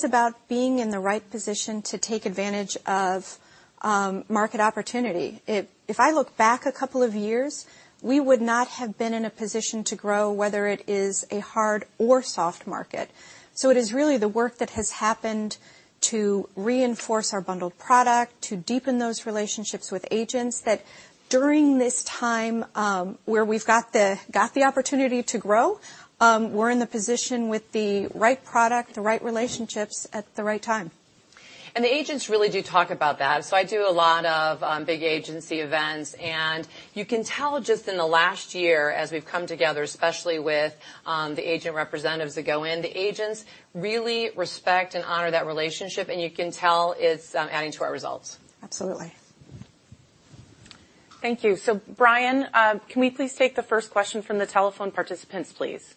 about being in the right position to take advantage of market opportunity. If I look back a couple of years, we would not have been in a position to grow, whether it is a hard or soft market. It is really the work that has happened to reinforce our bundled product, to deepen those relationships with agents that during this time, where we've got the opportunity to grow, we're in the position with the right product, the right relationships at the right time. The agents really do talk about that. I do a lot of big agency events, and you can tell just in the last year as we've come together, especially with the agent representatives that go in, the agents really respect and honor that relationship, and you can tell it's adding to our results. Absolutely. Thank you. Brian, can we please take the first question from the telephone participants, please?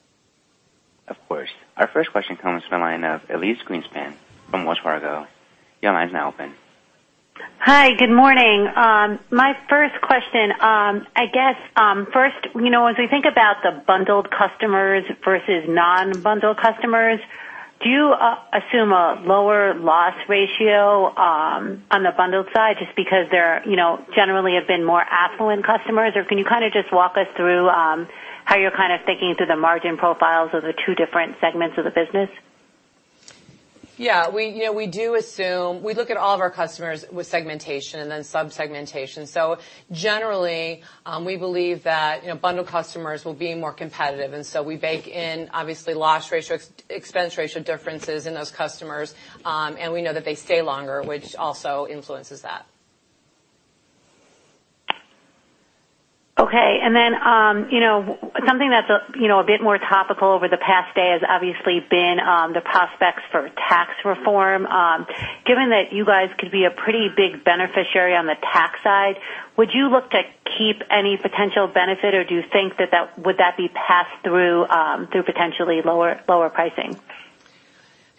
Of course. Our first question comes from the line of Elyse Greenspan from Wells Fargo. Your line is now open. Hi, good morning. My first question, I guess, first, as we think about the bundled customers versus non-bundled customers, do you assume a lower loss ratio on the bundled side, just because they generally have been more affluent customers? Can you kind of just walk us through how you're kind of thinking through the margin profiles of the two different segments of the business? Yeah. We look at all of our customers with segmentation and then sub-segmentation. Generally, we believe that bundled customers will be more competitive, and so we bake in obviously loss ratio, expense ratio differences in those customers, and we know that they stay longer, which also influences that. Okay. Something that's a bit more topical over the past day has obviously been the prospects for tax reform. Given that you guys could be a pretty big beneficiary on the tax side, would you look to keep any potential benefit, or do you think would that be passed through potentially lower pricing?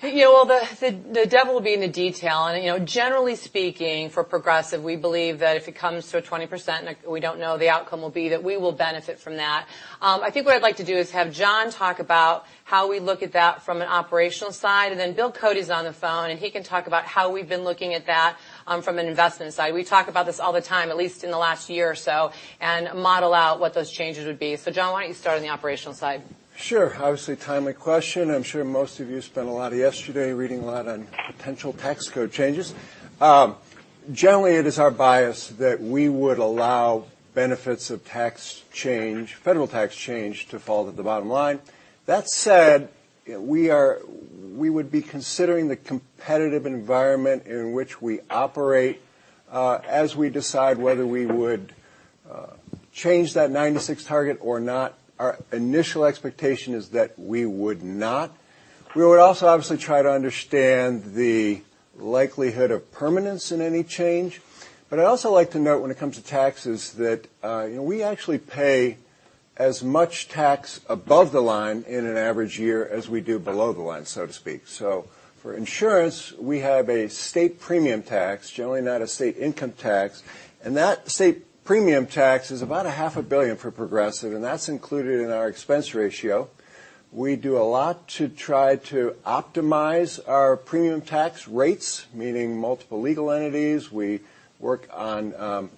The devil will be in the detail. Generally speaking, for Progressive, we believe that if it comes to a 20%, we don't know the outcome will be, that we will benefit from that. I think what I'd like to do is have John talk about how we look at that from an operational side, and then Bill Cody's on the phone, and he can talk about how we've been looking at that from an investment side. We talk about this all the time, at least in the last year or so, and model out what those changes would be. John, why don't you start on the operational side? Sure. Obviously timely question. I'm sure most of you spent a lot of yesterday reading a lot on potential tax code changes. Generally, it is our bias that we would allow benefits of federal tax change to fall to the bottom line. That said, we would be considering the competitive environment in which we operate, as we decide whether we would change that 96 target or not. Our initial expectation is that we would not. We would also obviously try to understand the likelihood of permanence in any change. I'd also like to note when it comes to taxes, that we actually pay as much tax above the line in an average year as we do below the line, so to speak. For insurance, we have a state premium tax, generally not a state income tax, and that state premium tax is about a half a billion for Progressive, and that's included in our expense ratio. We do a lot to try to optimize our premium tax rates, meaning multiple legal entities. We work on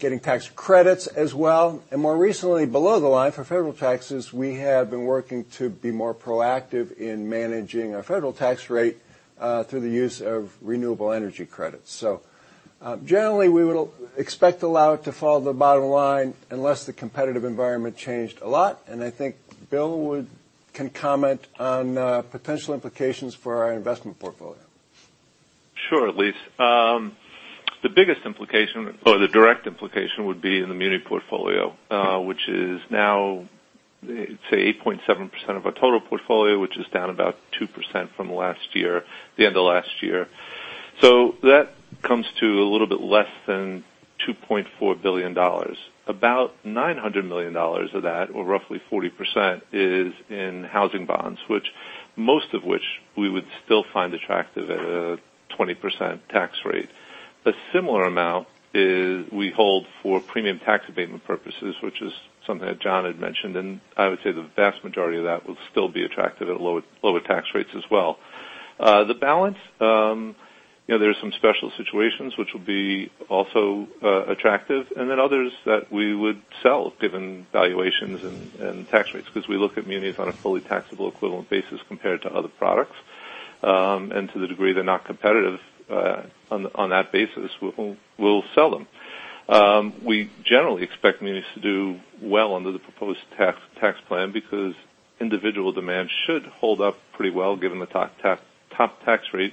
getting tax credits as well. More recently, below the line for federal taxes, we have been working to be more proactive in managing our federal tax rate through the use of renewable energy credits. Generally, we would expect the allow it to follow the bottom line unless the competitive environment changed a lot. I think Bill can comment on potential implications for our investment portfolio. Sure, Elyse. The biggest implication, or the direct implication, would be in the muni portfolio, which is now, say, 8.7% of our total portfolio, which is down about 2% from the end of last year. That comes to a little bit less than $2.4 billion. About $900 million of that, or roughly 40%, is in housing bonds, which most of which we would still find attractive at a 20% tax rate. A similar amount we hold for premium tax abatement purposes, which is something that John had mentioned. I would say the vast majority of that will still be attractive at lower tax rates as well. The balance, there are some special situations which will be also attractive, and then others that we would sell given valuations and tax rates, because we look at munis on a fully taxable equivalent basis compared to other products. To the degree they're not competitive on that basis, we'll sell them. We generally expect munis to do well under the proposed tax plan because individual demand should hold up pretty well given the top tax rate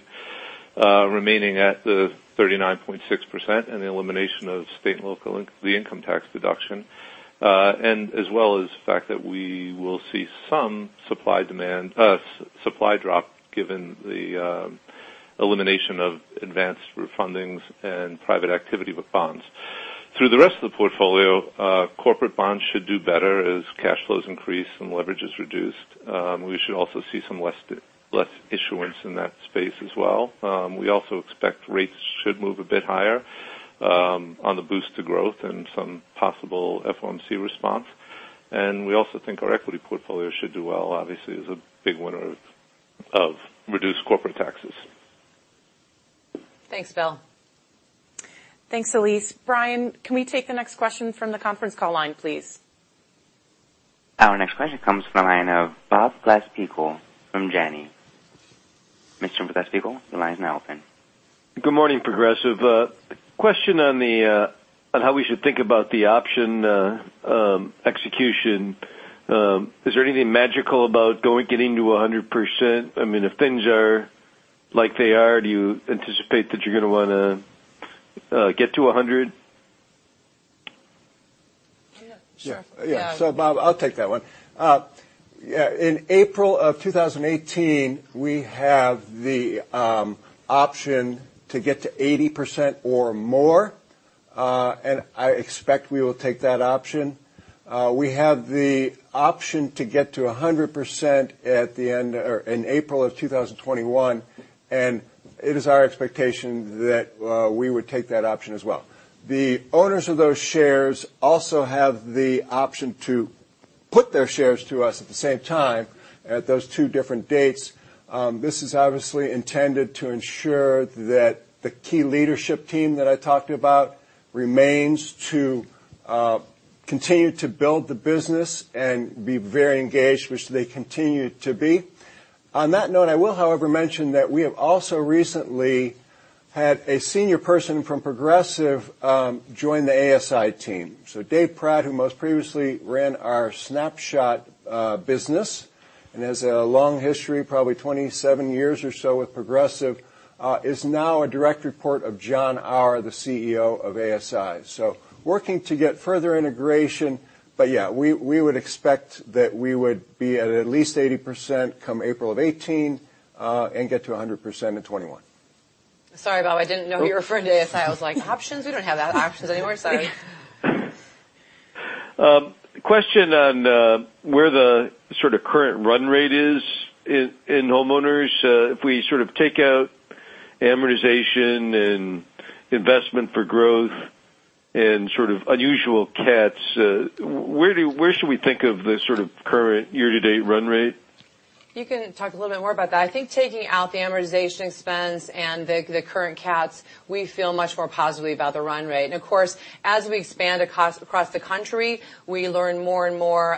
remaining at 39.6% and the elimination of the income tax deduction, as well as the fact that we will see some supply drop given the elimination of advanced refundings and private activity with bonds. Through the rest of the portfolio, corporate bonds should do better as cash flows increase and leverage is reduced. We should also see some less issuance in that space as well. We also expect rates should move a bit higher on the boost to growth and some possible FOMC response. We also think our equity portfolio should do well. Obviously, it's a big winner of reduced corporate taxes. Thanks, Bill. Thanks, Elyse. Brian, can we take the next question from the conference call line, please? Our next question comes from the line of Bob Glasspiegel from Janney. Mr. Glasspiegel, your line is now open. Good morning, Progressive. Question on how we should think about the option execution. Is there anything magical about getting to 100%? If things are like they are, do you anticipate that you're going to want to get to 100? Yeah. Sure. Yeah. Bob, I'll take that one. In April of 2018, we have the option to get to 80% or more, and I expect we will take that option. We have the option to get to 100% in April of 2021, and it is our expectation that we would take that option as well. The owners of those shares also have the option to put their shares to us at the same time at those two different dates. This is obviously intended to ensure that the key leadership team that I talked about remains to continue to build the business and be very engaged, which they continue to be. On that note, I will, however, mention that we have also recently had a senior person from Progressive join the ASI team. Dave Pratt, who most previously ran our Snapshot business and has a long history, probably 27 years or so with Progressive, is now a direct report of John Auer, the CEO of ASI. Working to get further integration. Yeah, we would expect that we would be at least 80% come April of 2018, and get to 100% in 2021. Sorry, Bob, I didn't know you were referring to ASI. I was like, options? We don't have that options anymore. Sorry. Question on where the current run rate is in homeowners. If we take out amortization and investment for growth and unusual cats, where should we think of the current year-to-date run rate? You can talk a little bit more about that. I think taking out the amortization expense and the current cats, we feel much more positively about the run rate. Of course, as we expand across the country, we learn more and more.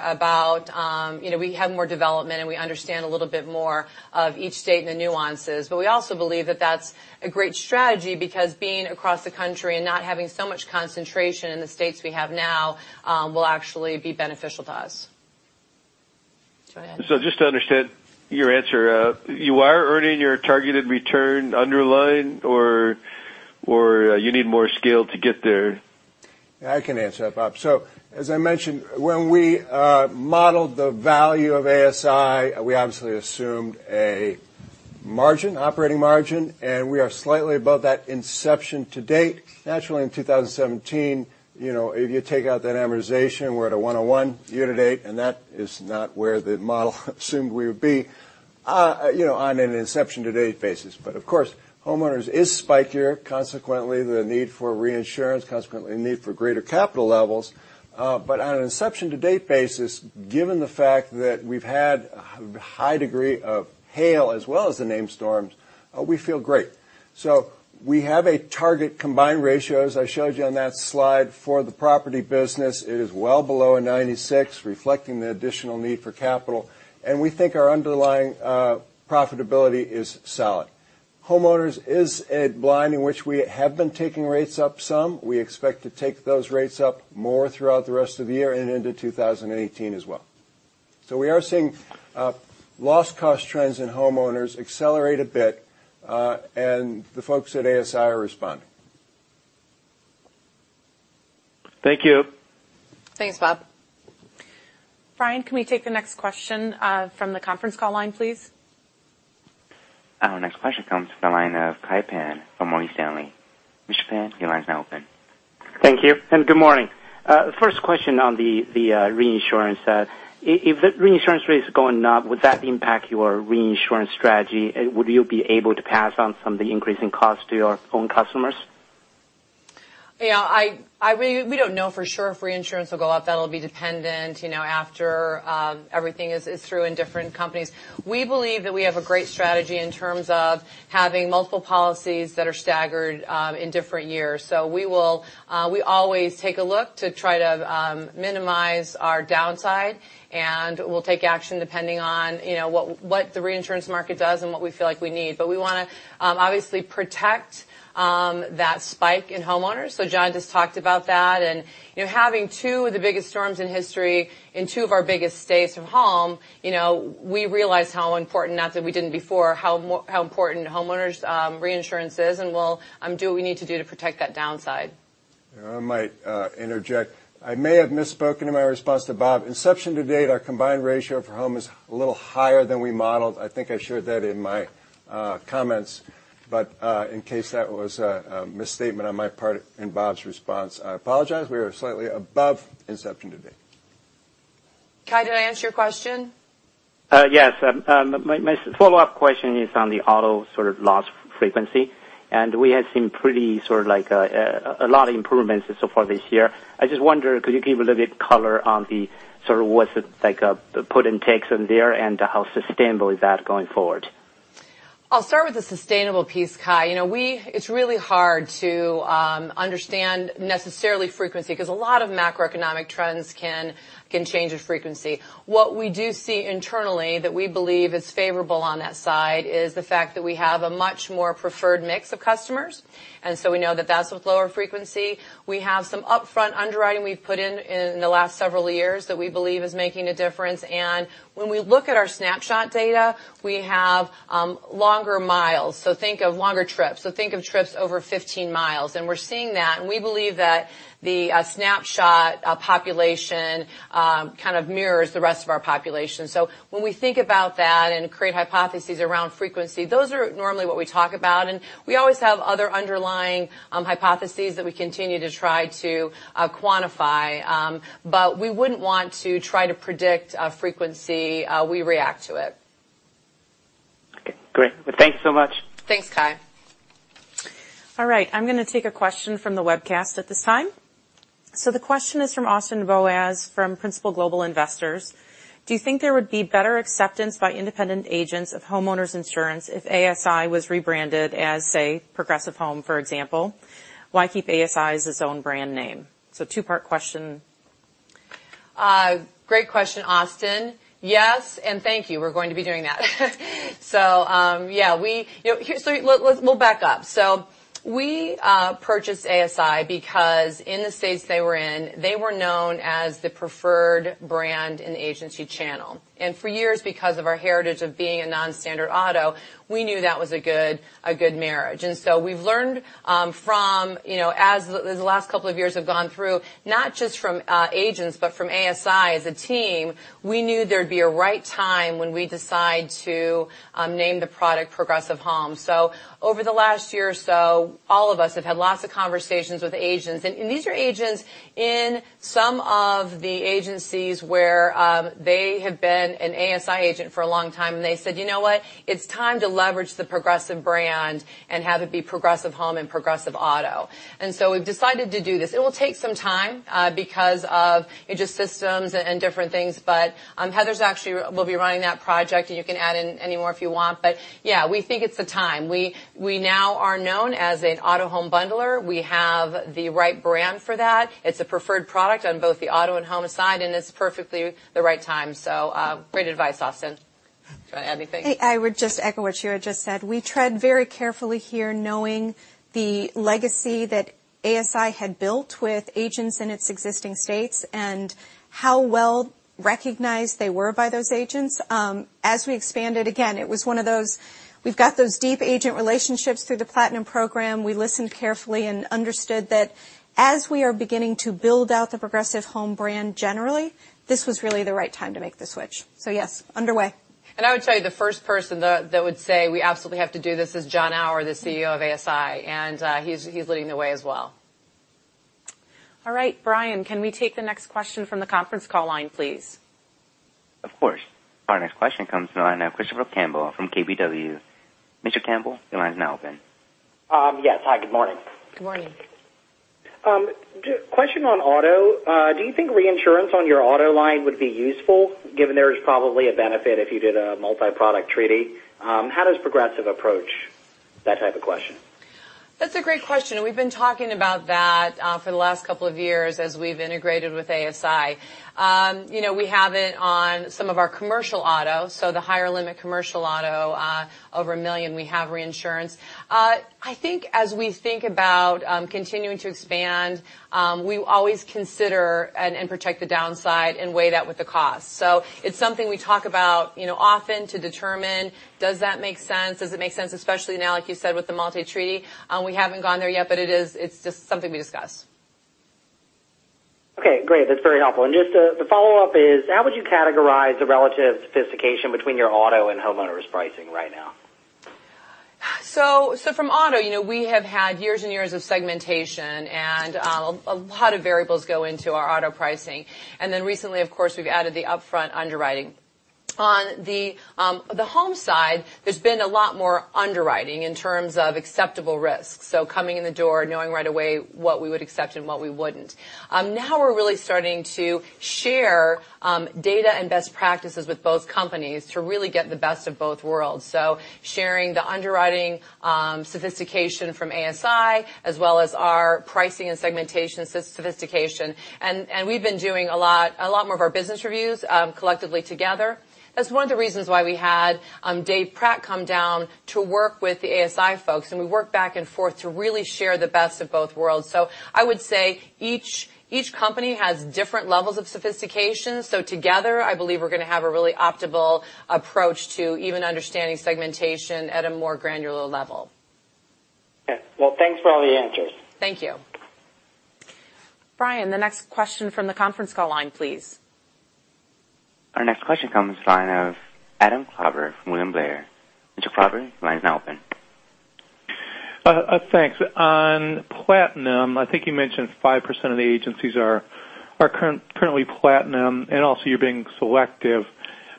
We have more development, and we understand a little bit more of each state and the nuances. We also believe that that's a great strategy because being across the country and not having so much concentration in the states we have now will actually be beneficial to us. Go ahead. Just to understand your answer, you are earning your targeted return underlying, or you need more scale to get there? I can answer that, Bob. As I mentioned, when we modeled the value of ASI, we obviously assumed a Margin, operating margin, and we are slightly above that inception to date. Naturally, in 2017, if you take out that amortization, we're at a 101 year-to-date, and that is not where the model assumed we would be on an inception to date basis. Of course, homeowners is spikier, consequently, the need for reinsurance, consequently, need for greater capital levels. On an inception to date basis, given the fact that we've had a high degree of hail as well as the named storms, we feel great. We have a target combined ratio, as I showed you on that slide for the property business. It is well below a 96, reflecting the additional need for capital. We think our underlying profitability is solid. Homeowners is a line in which we have been taking rates up some. We expect to take those rates up more throughout the rest of the year and into 2018 as well. We are seeing loss cost trends in homeowners accelerate a bit, and the folks at ASI are responding. Thank you. Thanks, Bob. Brian, can we take the next question from the conference call line, please? Our next question comes from the line of Kai Pan from Morgan Stanley. Mr. Pan, your line is now open. Thank you. Good morning. First question on the reinsurance. If reinsurance rates are going up, would that impact your reinsurance strategy? Would you be able to pass on some of the increasing cost to your own customers? We don't know for sure if reinsurance will go up. That will be dependent after everything is through in different companies. We believe that we have a great strategy in terms of having multiple policies that are staggered in different years. We always take a look to try to minimize our downside, and we will take action depending on what the reinsurance market does and what we feel like we need. We want to obviously protect that spike in homeowners. John just talked about that, and having two of the biggest storms in history in two of our biggest states from home, we realize how important, not that we didn't before, how important homeowners reinsurance is, and we will do what we need to do to protect that downside. I might interject. I may have misspoken in my response to Bob. Inception to date, our combined ratio for home is a little higher than we modeled. I think I shared that in my comments, but in case that was a misstatement on my part in Bob's response, I apologize. We are slightly above inception to date. Kai, did I answer your question? Yes. My follow-up question is on the auto loss frequency. We have seen a lot of improvements so far this year. I just wonder, could you give a little bit color on the sort of what's the put and takes in there and how sustainable is that going forward? I'll start with the sustainable piece, Kai. It's really hard to understand necessarily frequency because a lot of macroeconomic trends can change with frequency. What we do see internally that we believe is favorable on that side is the fact that we have a much more preferred mix of customers. We know that that's with lower frequency. We have some upfront underwriting we've put in in the last several years that we believe is making a difference. When we look at our Snapshot data, we have longer miles. Think of longer trips. Think of trips over 15 miles. We're seeing that. We believe that the Snapshot population kind of mirrors the rest of our population. When we think about that and create hypotheses around frequency, those are normally what we talk about, and we always have other underlying hypotheses that we continue to try to quantify. We wouldn't want to try to predict frequency. We react to it. Okay, great. Well, thanks so much. Thanks, Kai. All right. I'm going to take a question from the webcast at this time. The question is from Austin Boaz from Principal Global Investors. Do you think there would be better acceptance by independent agents of homeowners insurance if ASI was rebranded as, say, Progressive Home, for example? Why keep ASI as its own brand name? Two-part question. Great question, Austin. Yes. Thank you. We're going to be doing that. Let's back up. We purchased ASI because in the states they were in, they were known as the preferred brand in the agency channel. For years, because of our heritage of being a non-standard auto, we knew that was a good marriage. We've learned as the last couple of years have gone through, not just from agents, but from ASI as a team, we knew there'd be a right time when we decide to name the product Progressive Home. Over the last year or so, all of us have had lots of conversations with agents. These are agents in some of the agencies where they have been an ASI agent for a long time, and they said, "You know what? It's time to leverage the Progressive brand and have it be Progressive Home and Progressive Auto." We've decided to do this. It will take some time because of just systems and different things. Heather actually will be running that project, and you can add in any more if you want. Yeah, we think it's the time. We now are known as an auto home bundler. We have the right brand for that. It's a preferred product on both the auto and home side, and it's perfectly the right time. Great advice, Austin. Do you want to add anything? I would just echo what Tricia just said. We tread very carefully here knowing the legacy that ASI had built with agents in its existing states and how well recognized they were by those agents. As we expanded, again, we've got those deep agent relationships through the Platinum program. We listened carefully and understood that as we are beginning to build out the Progressive Home brand generally, this was really the right time to make the switch. Yes, underway. I would tell you the first person that would say we absolutely have to do this is John Auer, the CEO of ASI, and he's leading the way as well. All right, Brian, can we take the next question from the conference call line, please? Of course. Our next question comes from the line of Christopher Campbell from KBW. Mr. Campbell, your line is now open. Yes. Hi, good morning. Good morning. Question on auto. Do you think reinsurance on your auto line would be useful given there is probably a benefit if you did a multi-product treaty? How does Progressive approach that type of question? That's a great question. We've been talking about that for the last couple of years as we've integrated with ASI. We have it on some of our commercial auto, so the higher limit commercial auto, over $1 million, we have reinsurance. I think as we think about continuing to expand, we always consider and protect the downside and weigh that with the cost. It's something we talk about often to determine, does that make sense? Does it make sense, especially now, like you said, with the multi-treaty? We haven't gone there yet, but it's just something we discuss. Okay, great. That's very helpful. Just the follow-up is, how would you categorize the relative sophistication between your auto and homeowners pricing right now? From auto, we have had years and years of segmentation. A lot of variables go into our auto pricing. Recently, of course, we've added the upfront underwriting. On the home side, there's been a lot more underwriting in terms of acceptable risk. Coming in the door, knowing right away what we would accept and what we wouldn't. Now we're really starting to share data and best practices with both companies to really get the best of both worlds. Sharing the underwriting sophistication from ASI as well as our pricing and segmentation sophistication. We've been doing a lot more of our business reviews collectively together. That's one of the reasons why we had Dave Pratt come down to work with the ASI folks, and we work back and forth to really share the best of both worlds. I would say each company has different levels of sophistication. Together, I believe we're going to have a really optimal approach to even understanding segmentation at a more granular level. Okay. Well, thanks for all the answers. Thank you. Brian, the next question from the conference call line, please. Our next question comes from the line of Adam Klauber from William Blair. Mr. Klauber, your line is now open. Thanks. On Platinum, I think you mentioned 5% of the agencies are currently Platinum, and also you're being selective.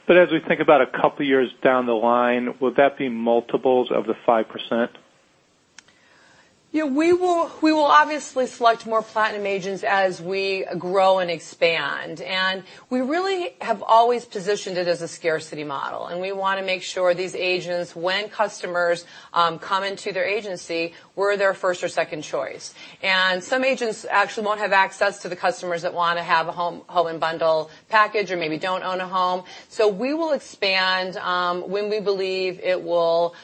As we think about a couple of years down the line, would that be multiples of the 5%? We will obviously select more Platinum agents as we grow and expand. We really have always positioned it as a scarcity model, and we want to make sure these agents, when customers come into their agency, we're their first or second choice. Some agents actually won't have access to the customers that want to have a home and bundle package or maybe don't own a home. We will expand when we believe it will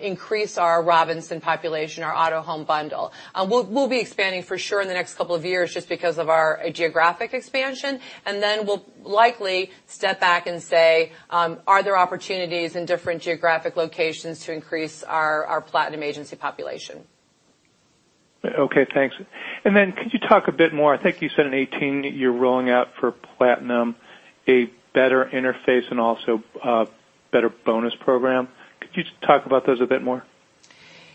increase our Robinsons population, our auto home bundle. We'll be expanding for sure in the next couple of years just because of our geographic expansion. Then we'll likely step back and say, are there opportunities in different geographic locations to increase our Platinum agency population? Okay, thanks. Could you talk a bit more, I think you said in 2018 you're rolling out for Platinum a better interface and also a better bonus program. Could you talk about those a bit more?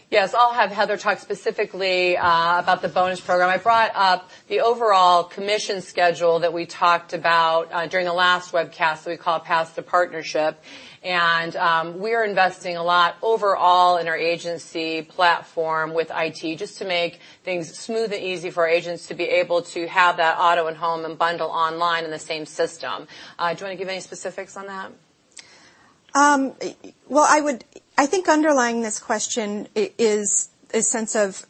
Yes. I'll have Heather talk specifically about the bonus program. I brought up the overall commission schedule that we talked about during the last webcast we call Paths to Partnership. We are investing a lot overall in our agency platform with IT just to make things smooth and easy for our agents to be able to have that auto and home and bundle online in the same system. Do you want to give any specifics on that? Well, I think underlying this question is a sense of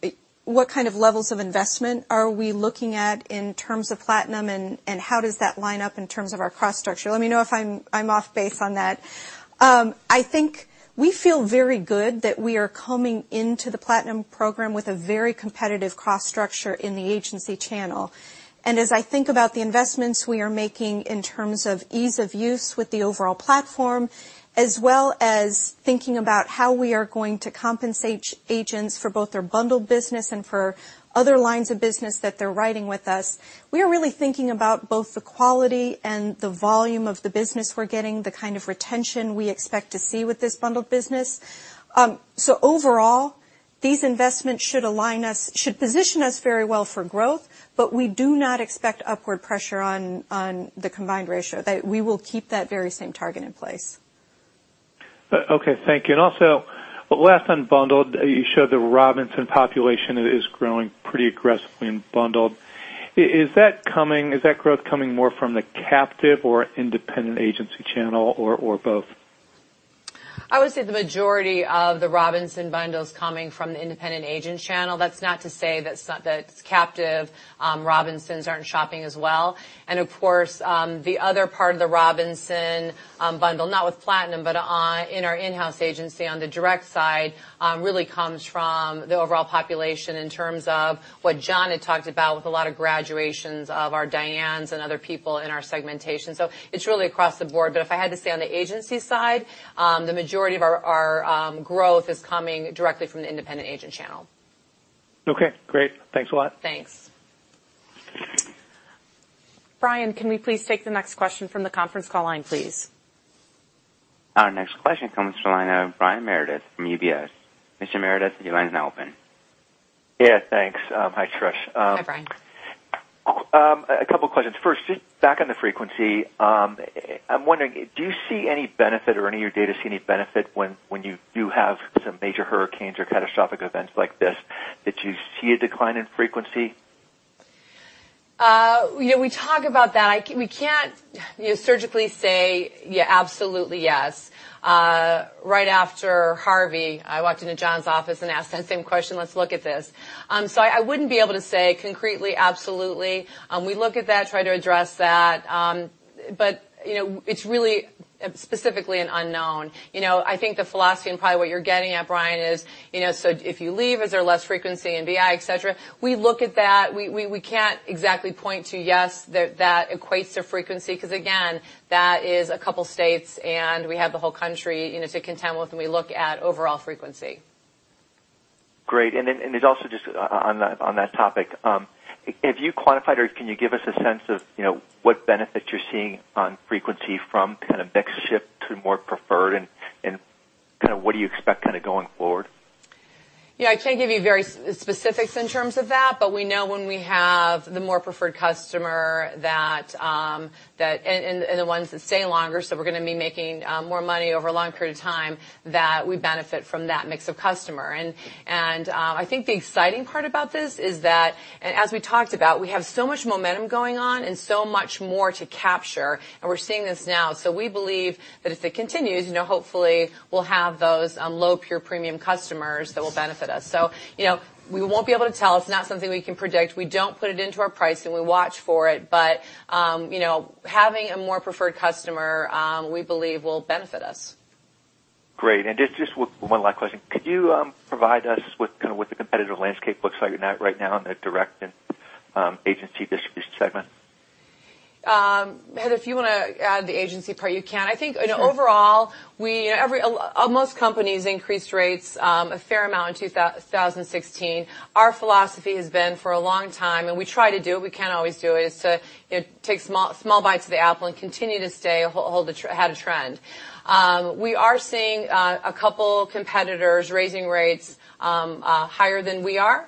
what kind of levels of investment are we looking at in terms of Platinum, and how does that line up in terms of our cost structure? Let me know if I'm off base on that. I think we feel very good that we are coming into the Platinum program with a very competitive cost structure in the agency channel. As I think about the investments we are making in terms of ease of use with the overall platform, as well as thinking about how we are going to compensate agents for both their bundle business and for other lines of business that they're writing with us, we are really thinking about both the quality and the volume of the business we're getting, the kind of retention we expect to see with this bundled business. Overall, these investments should position us very well for growth, but we do not expect upward pressure on the combined ratio, that we will keep that very same target in place. Okay, thank you. Also, last on bundled, you showed the Robinson population is growing pretty aggressively in bundled. Is that growth coming more from the captive or independent agency channel or both? I would say the majority of the Robinson bundle is coming from the independent agent channel. That's not to say that captive Robinsons aren't shopping as well. Of course, the other part of the Robinson bundle, not with Platinum, but in our in-house agency on the direct side, really comes from the overall population in terms of what John had talked about with a lot of graduations of our Dianes and other people in our segmentation. It's really across the board. If I had to say on the agency side, the majority of our growth is coming directly from the independent agent channel. Okay, great. Thanks a lot. Thanks. Brian, can we please take the next question from the conference call line, please? Our next question comes from the line of Brian Meredith from UBS. Mr. Meredith, your line is now open. Yeah, thanks. Hi, Trish. Hi, Brian. A couple of questions. First, back on the frequency, I'm wondering, do you see any benefit or any of your data see any benefit when you do have some major hurricanes or catastrophic events like this, that you see a decline in frequency? We talk about that. We can't surgically say absolutely yes. Right after Hurricane Harvey, I walked into John's office and asked that same question, let's look at this. I wouldn't be able to say concretely absolutely. We look at that, try to address that, but it's really specifically an unknown. I think the philosophy and probably what you're getting at, Brian, is if you leave, is there less frequency in BI, et cetera? We look at that. We can't exactly point to yes, that equates to frequency, because again, that is a couple states and we have the whole country to contend with when we look at overall frequency. Great. Then, also just on that topic, have you quantified or can you give us a sense of what benefit you're seeing on frequency from kind of mix shift to more preferred and kind of what do you expect going forward? Yeah, I can't give you specifics in terms of that, but we know when we have the more preferred customer and the ones that stay longer, we're going to be making more money over a long period of time, that we benefit from that mix of customer. I think the exciting part about this is that, as we talked about, we have so much momentum going on and so much more to capture, and we're seeing this now. We believe that if it continues, hopefully we'll have those low pure premium customers that will benefit us. We won't be able to tell. It's not something we can predict. We don't put it into our pricing. We watch for it. Having a more preferred customer, we believe will benefit us. Great. Just one last question. Could you provide us with kind of what the competitive landscape looks like right now in the direct and agency distribution segment? Heather, if you want to add the agency part, you can. Sure. I think in overall, most companies increased rates a fair amount in 2016. Our philosophy has been for a long time, we try to do it, we can't always do it, is to take small bites of the apple and continue to ahead of trend. We are seeing a couple competitors raising rates higher than we are,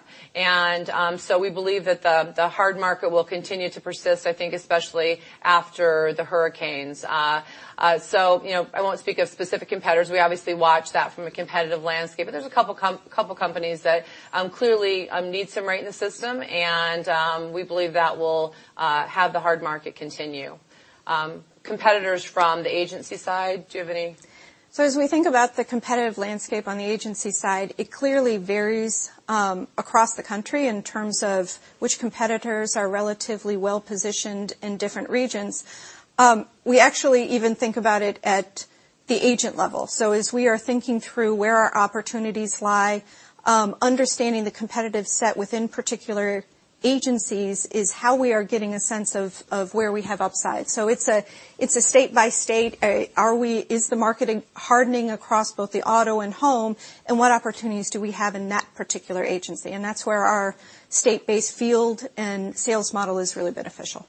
we believe that the hard market will continue to persist, I think, especially after the hurricanes. I won't speak of specific competitors. We obviously watch that from a competitive landscape, but there's a couple companies that clearly need some rate in the system, and we believe that will have the hard market continue. Competitors from the agency side, do you have any? As we think about the competitive landscape on the agency side, it clearly varies across the country in terms of which competitors are relatively well-positioned in different regions. We actually even think about it at the agent level. As we are thinking through where our opportunities lie, understanding the competitive set within particular agencies is how we are getting a sense of where we have upside. It's a state-by-state, is the market hardening across both the auto and home, and what opportunities do we have in that particular agency? That's where our state-based field and sales model is really beneficial.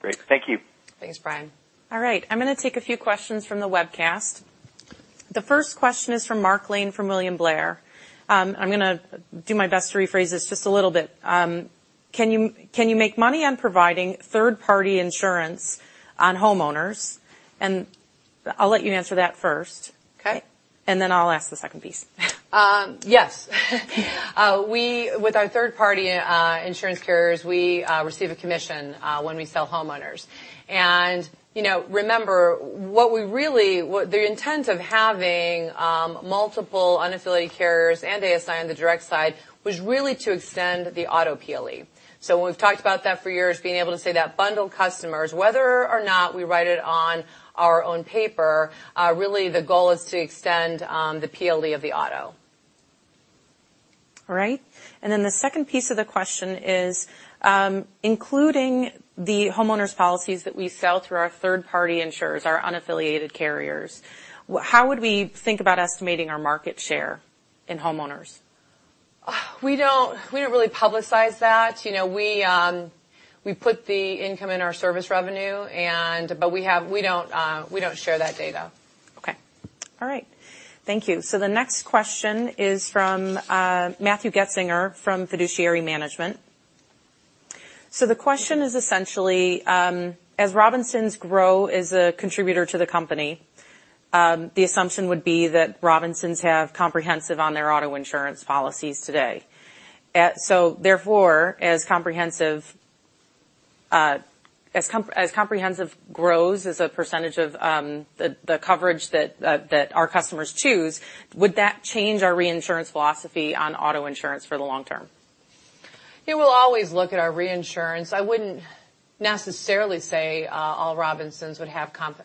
Great. Thank you. Thanks, Brian. All right. I'm going to take a few questions from the webcast. The first question is from Mark Lane from William Blair. I'm going to do my best to rephrase this just a little bit. Can you make money on providing third-party insurance on homeowners? I'll let you answer that first. Okay. Then I'll ask the second piece. Yes. With our third-party insurance carriers, we receive a commission when we sell homeowners. Remember, the intent of having multiple unaffiliated carriers and ASI on the direct side was really to extend the auto PLE. We've talked about that for years, being able to say that bundled customers, whether or not we write it on our own paper, really the goal is to extend the PLPD of the auto. All right. The second piece of the question is, including the homeowners policies that we sell through our third-party insurers, our unaffiliated carriers, how would we think about estimating our market share in homeowners? We don't really publicize that. We put the income in our service revenue, we don't share that data. Okay. All right. Thank you. The next question is from Matthew Geisiger from Fiduciary Management. The question is essentially, as Robinsons grow as a contributor to the company, the assumption would be that Robinsons have comprehensive on their auto insurance policies today. Therefore, as comprehensive grows as a percentage of the coverage that our customers choose, would that change our reinsurance philosophy on auto insurance for the long term? We'll always look at our reinsurance. I wouldn't necessarily say all Robinsons would have comp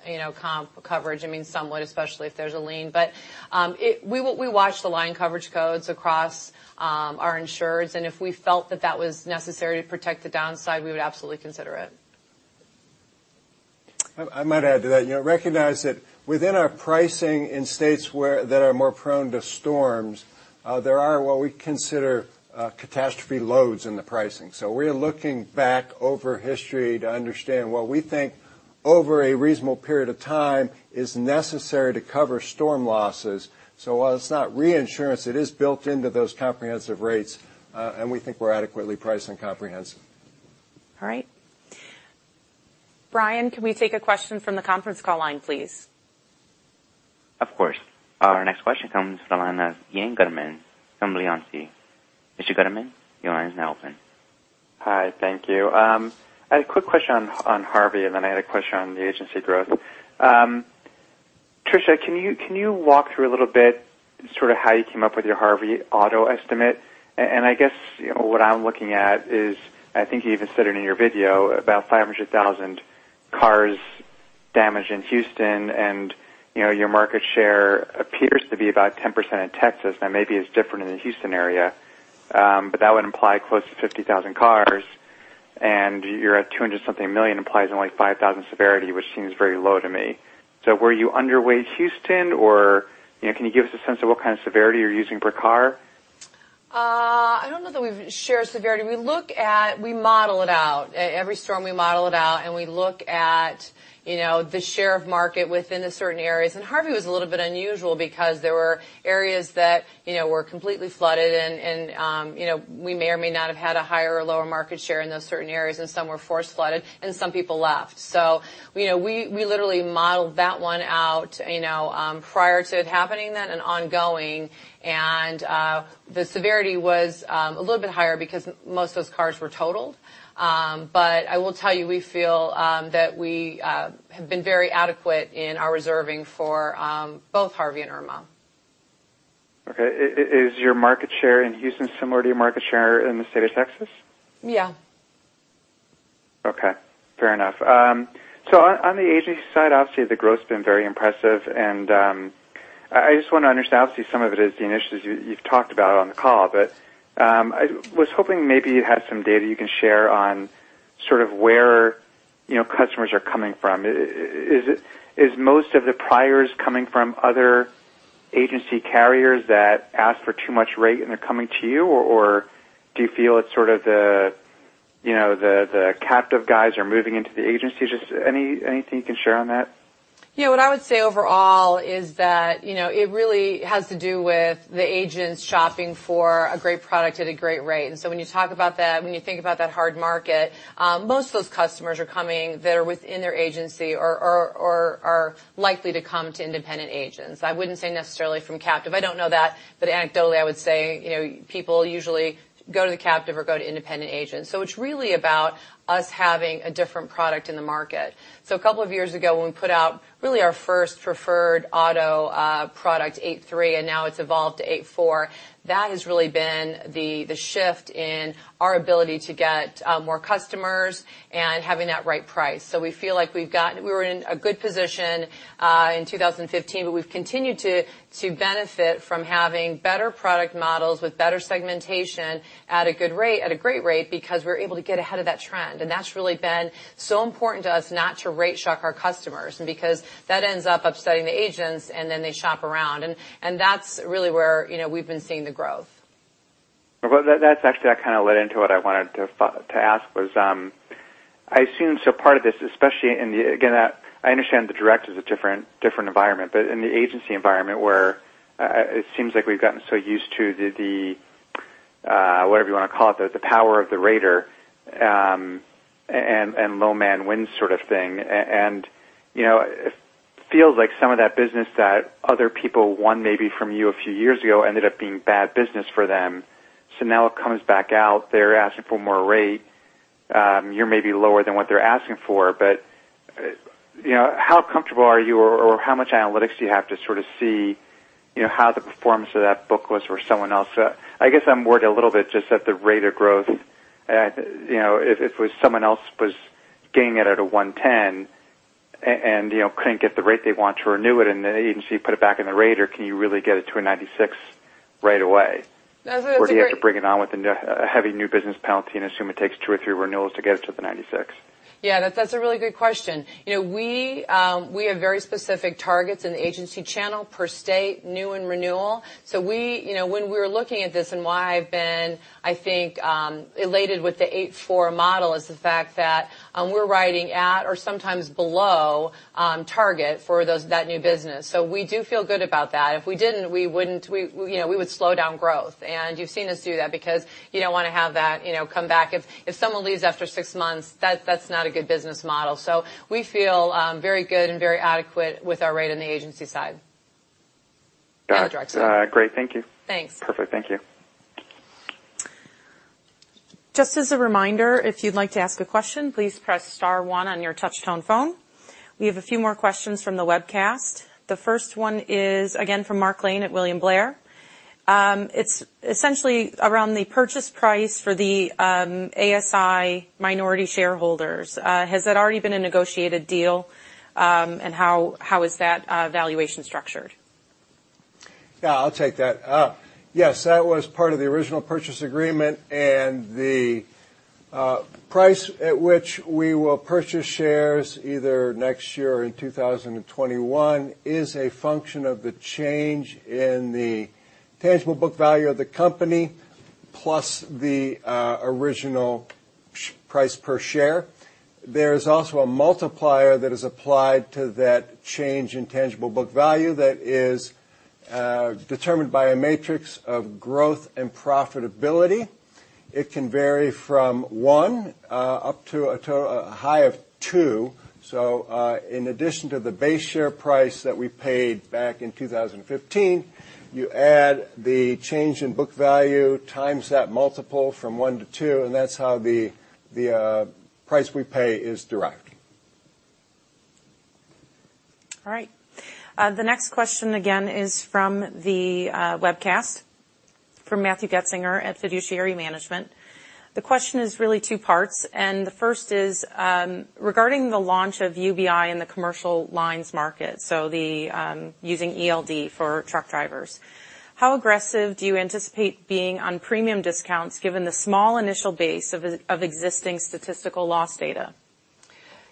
coverage. Somewhat, especially if there's a lien. We watch the line coverage codes across our insurers, and if we felt that that was necessary to protect the downside, we would absolutely consider it. I might add to that. Recognize that within our pricing in states that are more prone to storms, there are what we consider catastrophe loads in the pricing. We're looking back over history to understand what we think over a reasonable period of time is necessary to cover storm losses. While it's not reinsurance, it is built into those comprehensive rates, and we think we're adequately pricing comprehensive. All right. Brian, can we take a question from the conference call line, please? Of course. Our next question comes from the line of Ian Gutterman from Leucadia. Mr. Gutterman, your line is now open. Hi. Thank you. I had a quick question on Harvey, and then I had a question on the agency growth. Tricia, can you walk through a little bit sort of how you came up with your Harvey auto estimate? I guess what I'm looking at is, I think you even said it in your video, about 500,000 cars damaged in Houston, and your market share appears to be about 10% in Texas. Now, maybe it's different in the Houston area. That would imply close to 50,000 cars, and you're at $200 something million implies only 5,000 severity, which seems very low to me. Were you underweight Houston, or can you give us a sense of what kind of severity you're using per car? I don't know that we've shared severity. We model it out. Every storm, we model it out, and we look at the share of market within the certain areas. Harvey was a little bit unusual because there were areas that were completely flooded, and we may or may not have had a higher or lower market share in those certain areas, and some were forced flooded and some people left. We literally modeled that one out prior to it happening then and ongoing. The severity was a little bit higher because most of those cars were totaled. I will tell you, we feel that we have been very adequate in our reserving for both Hurricane Harvey and Hurricane Irma. Okay. Is your market share in Houston similar to your market share in the state of Texas? Yeah. Okay. Fair enough. On the agency side, obviously, the growth's been very impressive, and I just want to understand. Obviously, some of it is the initiatives you've talked about on the call. I was hoping maybe you had some data you can share on sort of where customers are coming from. Is most of the priors coming from other agency carriers that ask for too much rate and they're coming to you? Do you feel it's sort of the captive guys are moving into the agency? Just anything you can share on that? What I would say overall is that it really has to do with the agents shopping for a great product at a great rate. When you talk about that, when you think about that hard market, most of those customers are coming that are within their agency or are likely to come to independent agents. I wouldn't say necessarily from captive. I don't know that. Anecdotally, I would say people usually go to the captive or go to independent agents. It's really about us having a different product in the market. A couple of years ago, when we put out really our first preferred auto product, 8-3, and now it's evolved to 8-4, that has really been the shift in our ability to get more customers and having that right price. We feel like we were in a good position in 2015. We've continued to benefit from having better product models with better segmentation at a great rate because we're able to get ahead of that trend, and that's really been so important to us not to rate shock our customers because that ends up upsetting the agents, and then they shop around, and that's really where we've been seeing the growth. That actually kind of led into what I wanted to ask was I assume, part of this, especially in the, again, I understand the direct is a different environment, but in the agency environment where it seems like we've gotten so used to the, whatever you want to call it, the power of the rater and low man wins sort of thing. It feels like some of that business that other people won maybe from you a few years ago ended up being bad business for them. Now it comes back out. They're asking for more rate. You're maybe lower than what they're asking for. How comfortable are you, or how much analytics do you have to sort of see how the performance of that book was for someone else? I guess I'm worried a little bit just at the rate of growth. If it was someone else was getting it at a 110 and couldn't get the rate they want to renew it, the agency put it back in the rater, can you really get it to a 96 right away? That's a great- Do you have to bring it on with a heavy new business penalty and assume it takes two or three renewals to get it to the 96? Yeah, that's a really good question. We have very specific targets in the agency channel per state, new and renewal. When we're looking at this and why I've been, I think, elated with the 8-4 model is the fact that we're riding at or sometimes below target for that new business. We do feel good about that. If we didn't, we would slow down growth. You've seen us do that because you don't want to have that come back. If someone leaves after six months, that's not a good business model. We feel very good and very adequate with our rate on the agency side and the direct side. Got it. Great. Thank you. Thanks. Perfect. Thank you. Just as a reminder, if you'd like to ask a question, please press star one on your touch-tone phone. We have a few more questions from the webcast. The first one is again from Mark Lane at William Blair. It's essentially around the purchase price for the ASI minority shareholders. Has that already been a negotiated deal? How is that valuation structured? Yeah, I'll take that. Yes, that was part of the original purchase agreement, and the price at which we will purchase shares either next year or in 2021 is a function of the change in the tangible book value of the company plus the original price per share. There is also a multiplier that is applied to that change in tangible book value that is determined by a matrix of growth and profitability. It can vary from one up to a high of two. In addition to the base share price that we paid back in 2015, you add the change in book value times that multiple from one to two, and that's how the price we pay is derived. All right. The next question again is from the webcast, from Matthew Geisiger at Fiduciary Management. The question is really two parts. The first is regarding the launch of UBI in the commercial lines market, so using ELD for truck drivers. How aggressive do you anticipate being on premium discounts given the small initial base of existing statistical loss data?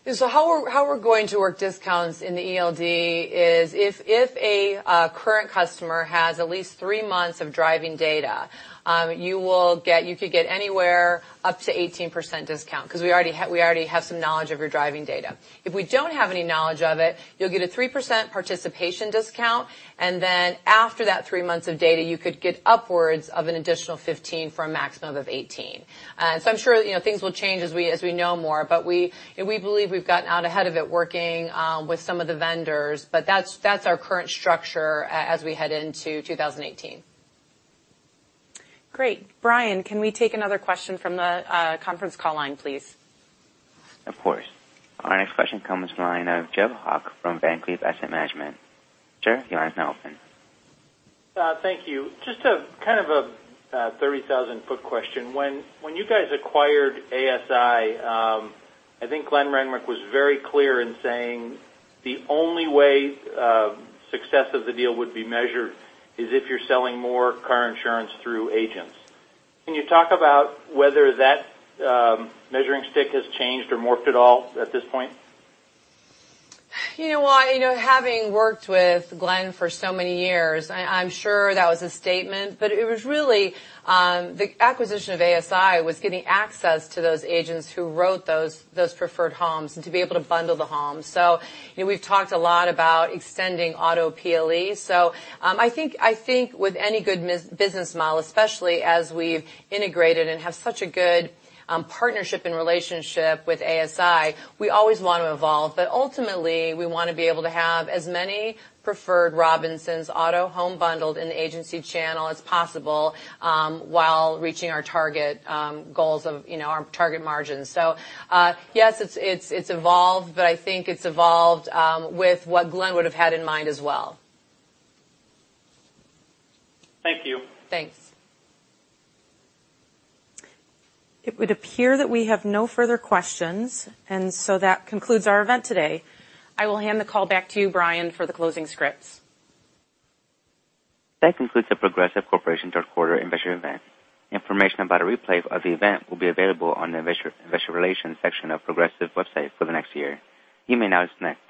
How we're going to work discounts in the ELD is if a current customer has at least three months of driving data, you could get anywhere up to 18% discount because we already have some knowledge of your driving data. If we don't have any knowledge of it, you'll get a 3% participation discount, and then after that three months of data, you could get upwards of an additional 15% for a maximum of 18%. I'm sure things will change as we know more, but we believe we've gotten out ahead of it working with some of the vendors. That's our current structure as we head into 2018. Great. Brian, can we take another question from the conference call line, please? Of course. Our next question comes from the line of Jeff Holka from Van Eck Asset Management. Sir, your line is now open. Thank you. Just a kind of a 30,000-foot question. When you guys acquired ASI, I think Glenn Renwick was very clear in saying the only way success of the deal would be measured is if you're selling more car insurance through agents. Can you talk about whether that measuring stick has changed or morphed at all at this point? Having worked with Glenn for so many years, I'm sure that was a statement, but it was really the acquisition of ASI was getting access to those agents who wrote those preferred homes and to be able to bundle the homes. We've talked a lot about extending auto PLE. I think with any good business model, especially as we've integrated and have such a good partnership and relationship with ASI, we always want to evolve. Ultimately, we want to be able to have as many preferred Robinsons auto home bundled in the agency channel as possible while reaching our target goals of our target margins. Yes, it's evolved, but I think it's evolved with what Glenn would've had in mind as well. Thank you. Thanks. It would appear that we have no further questions. That concludes our event today. I will hand the call back to you, Brian, for the closing scripts. That concludes The Progressive Corporation third quarter investor event. Information about a replay of the event will be available on the investor relations section of Progressive's website for the next year. You may now disconnect.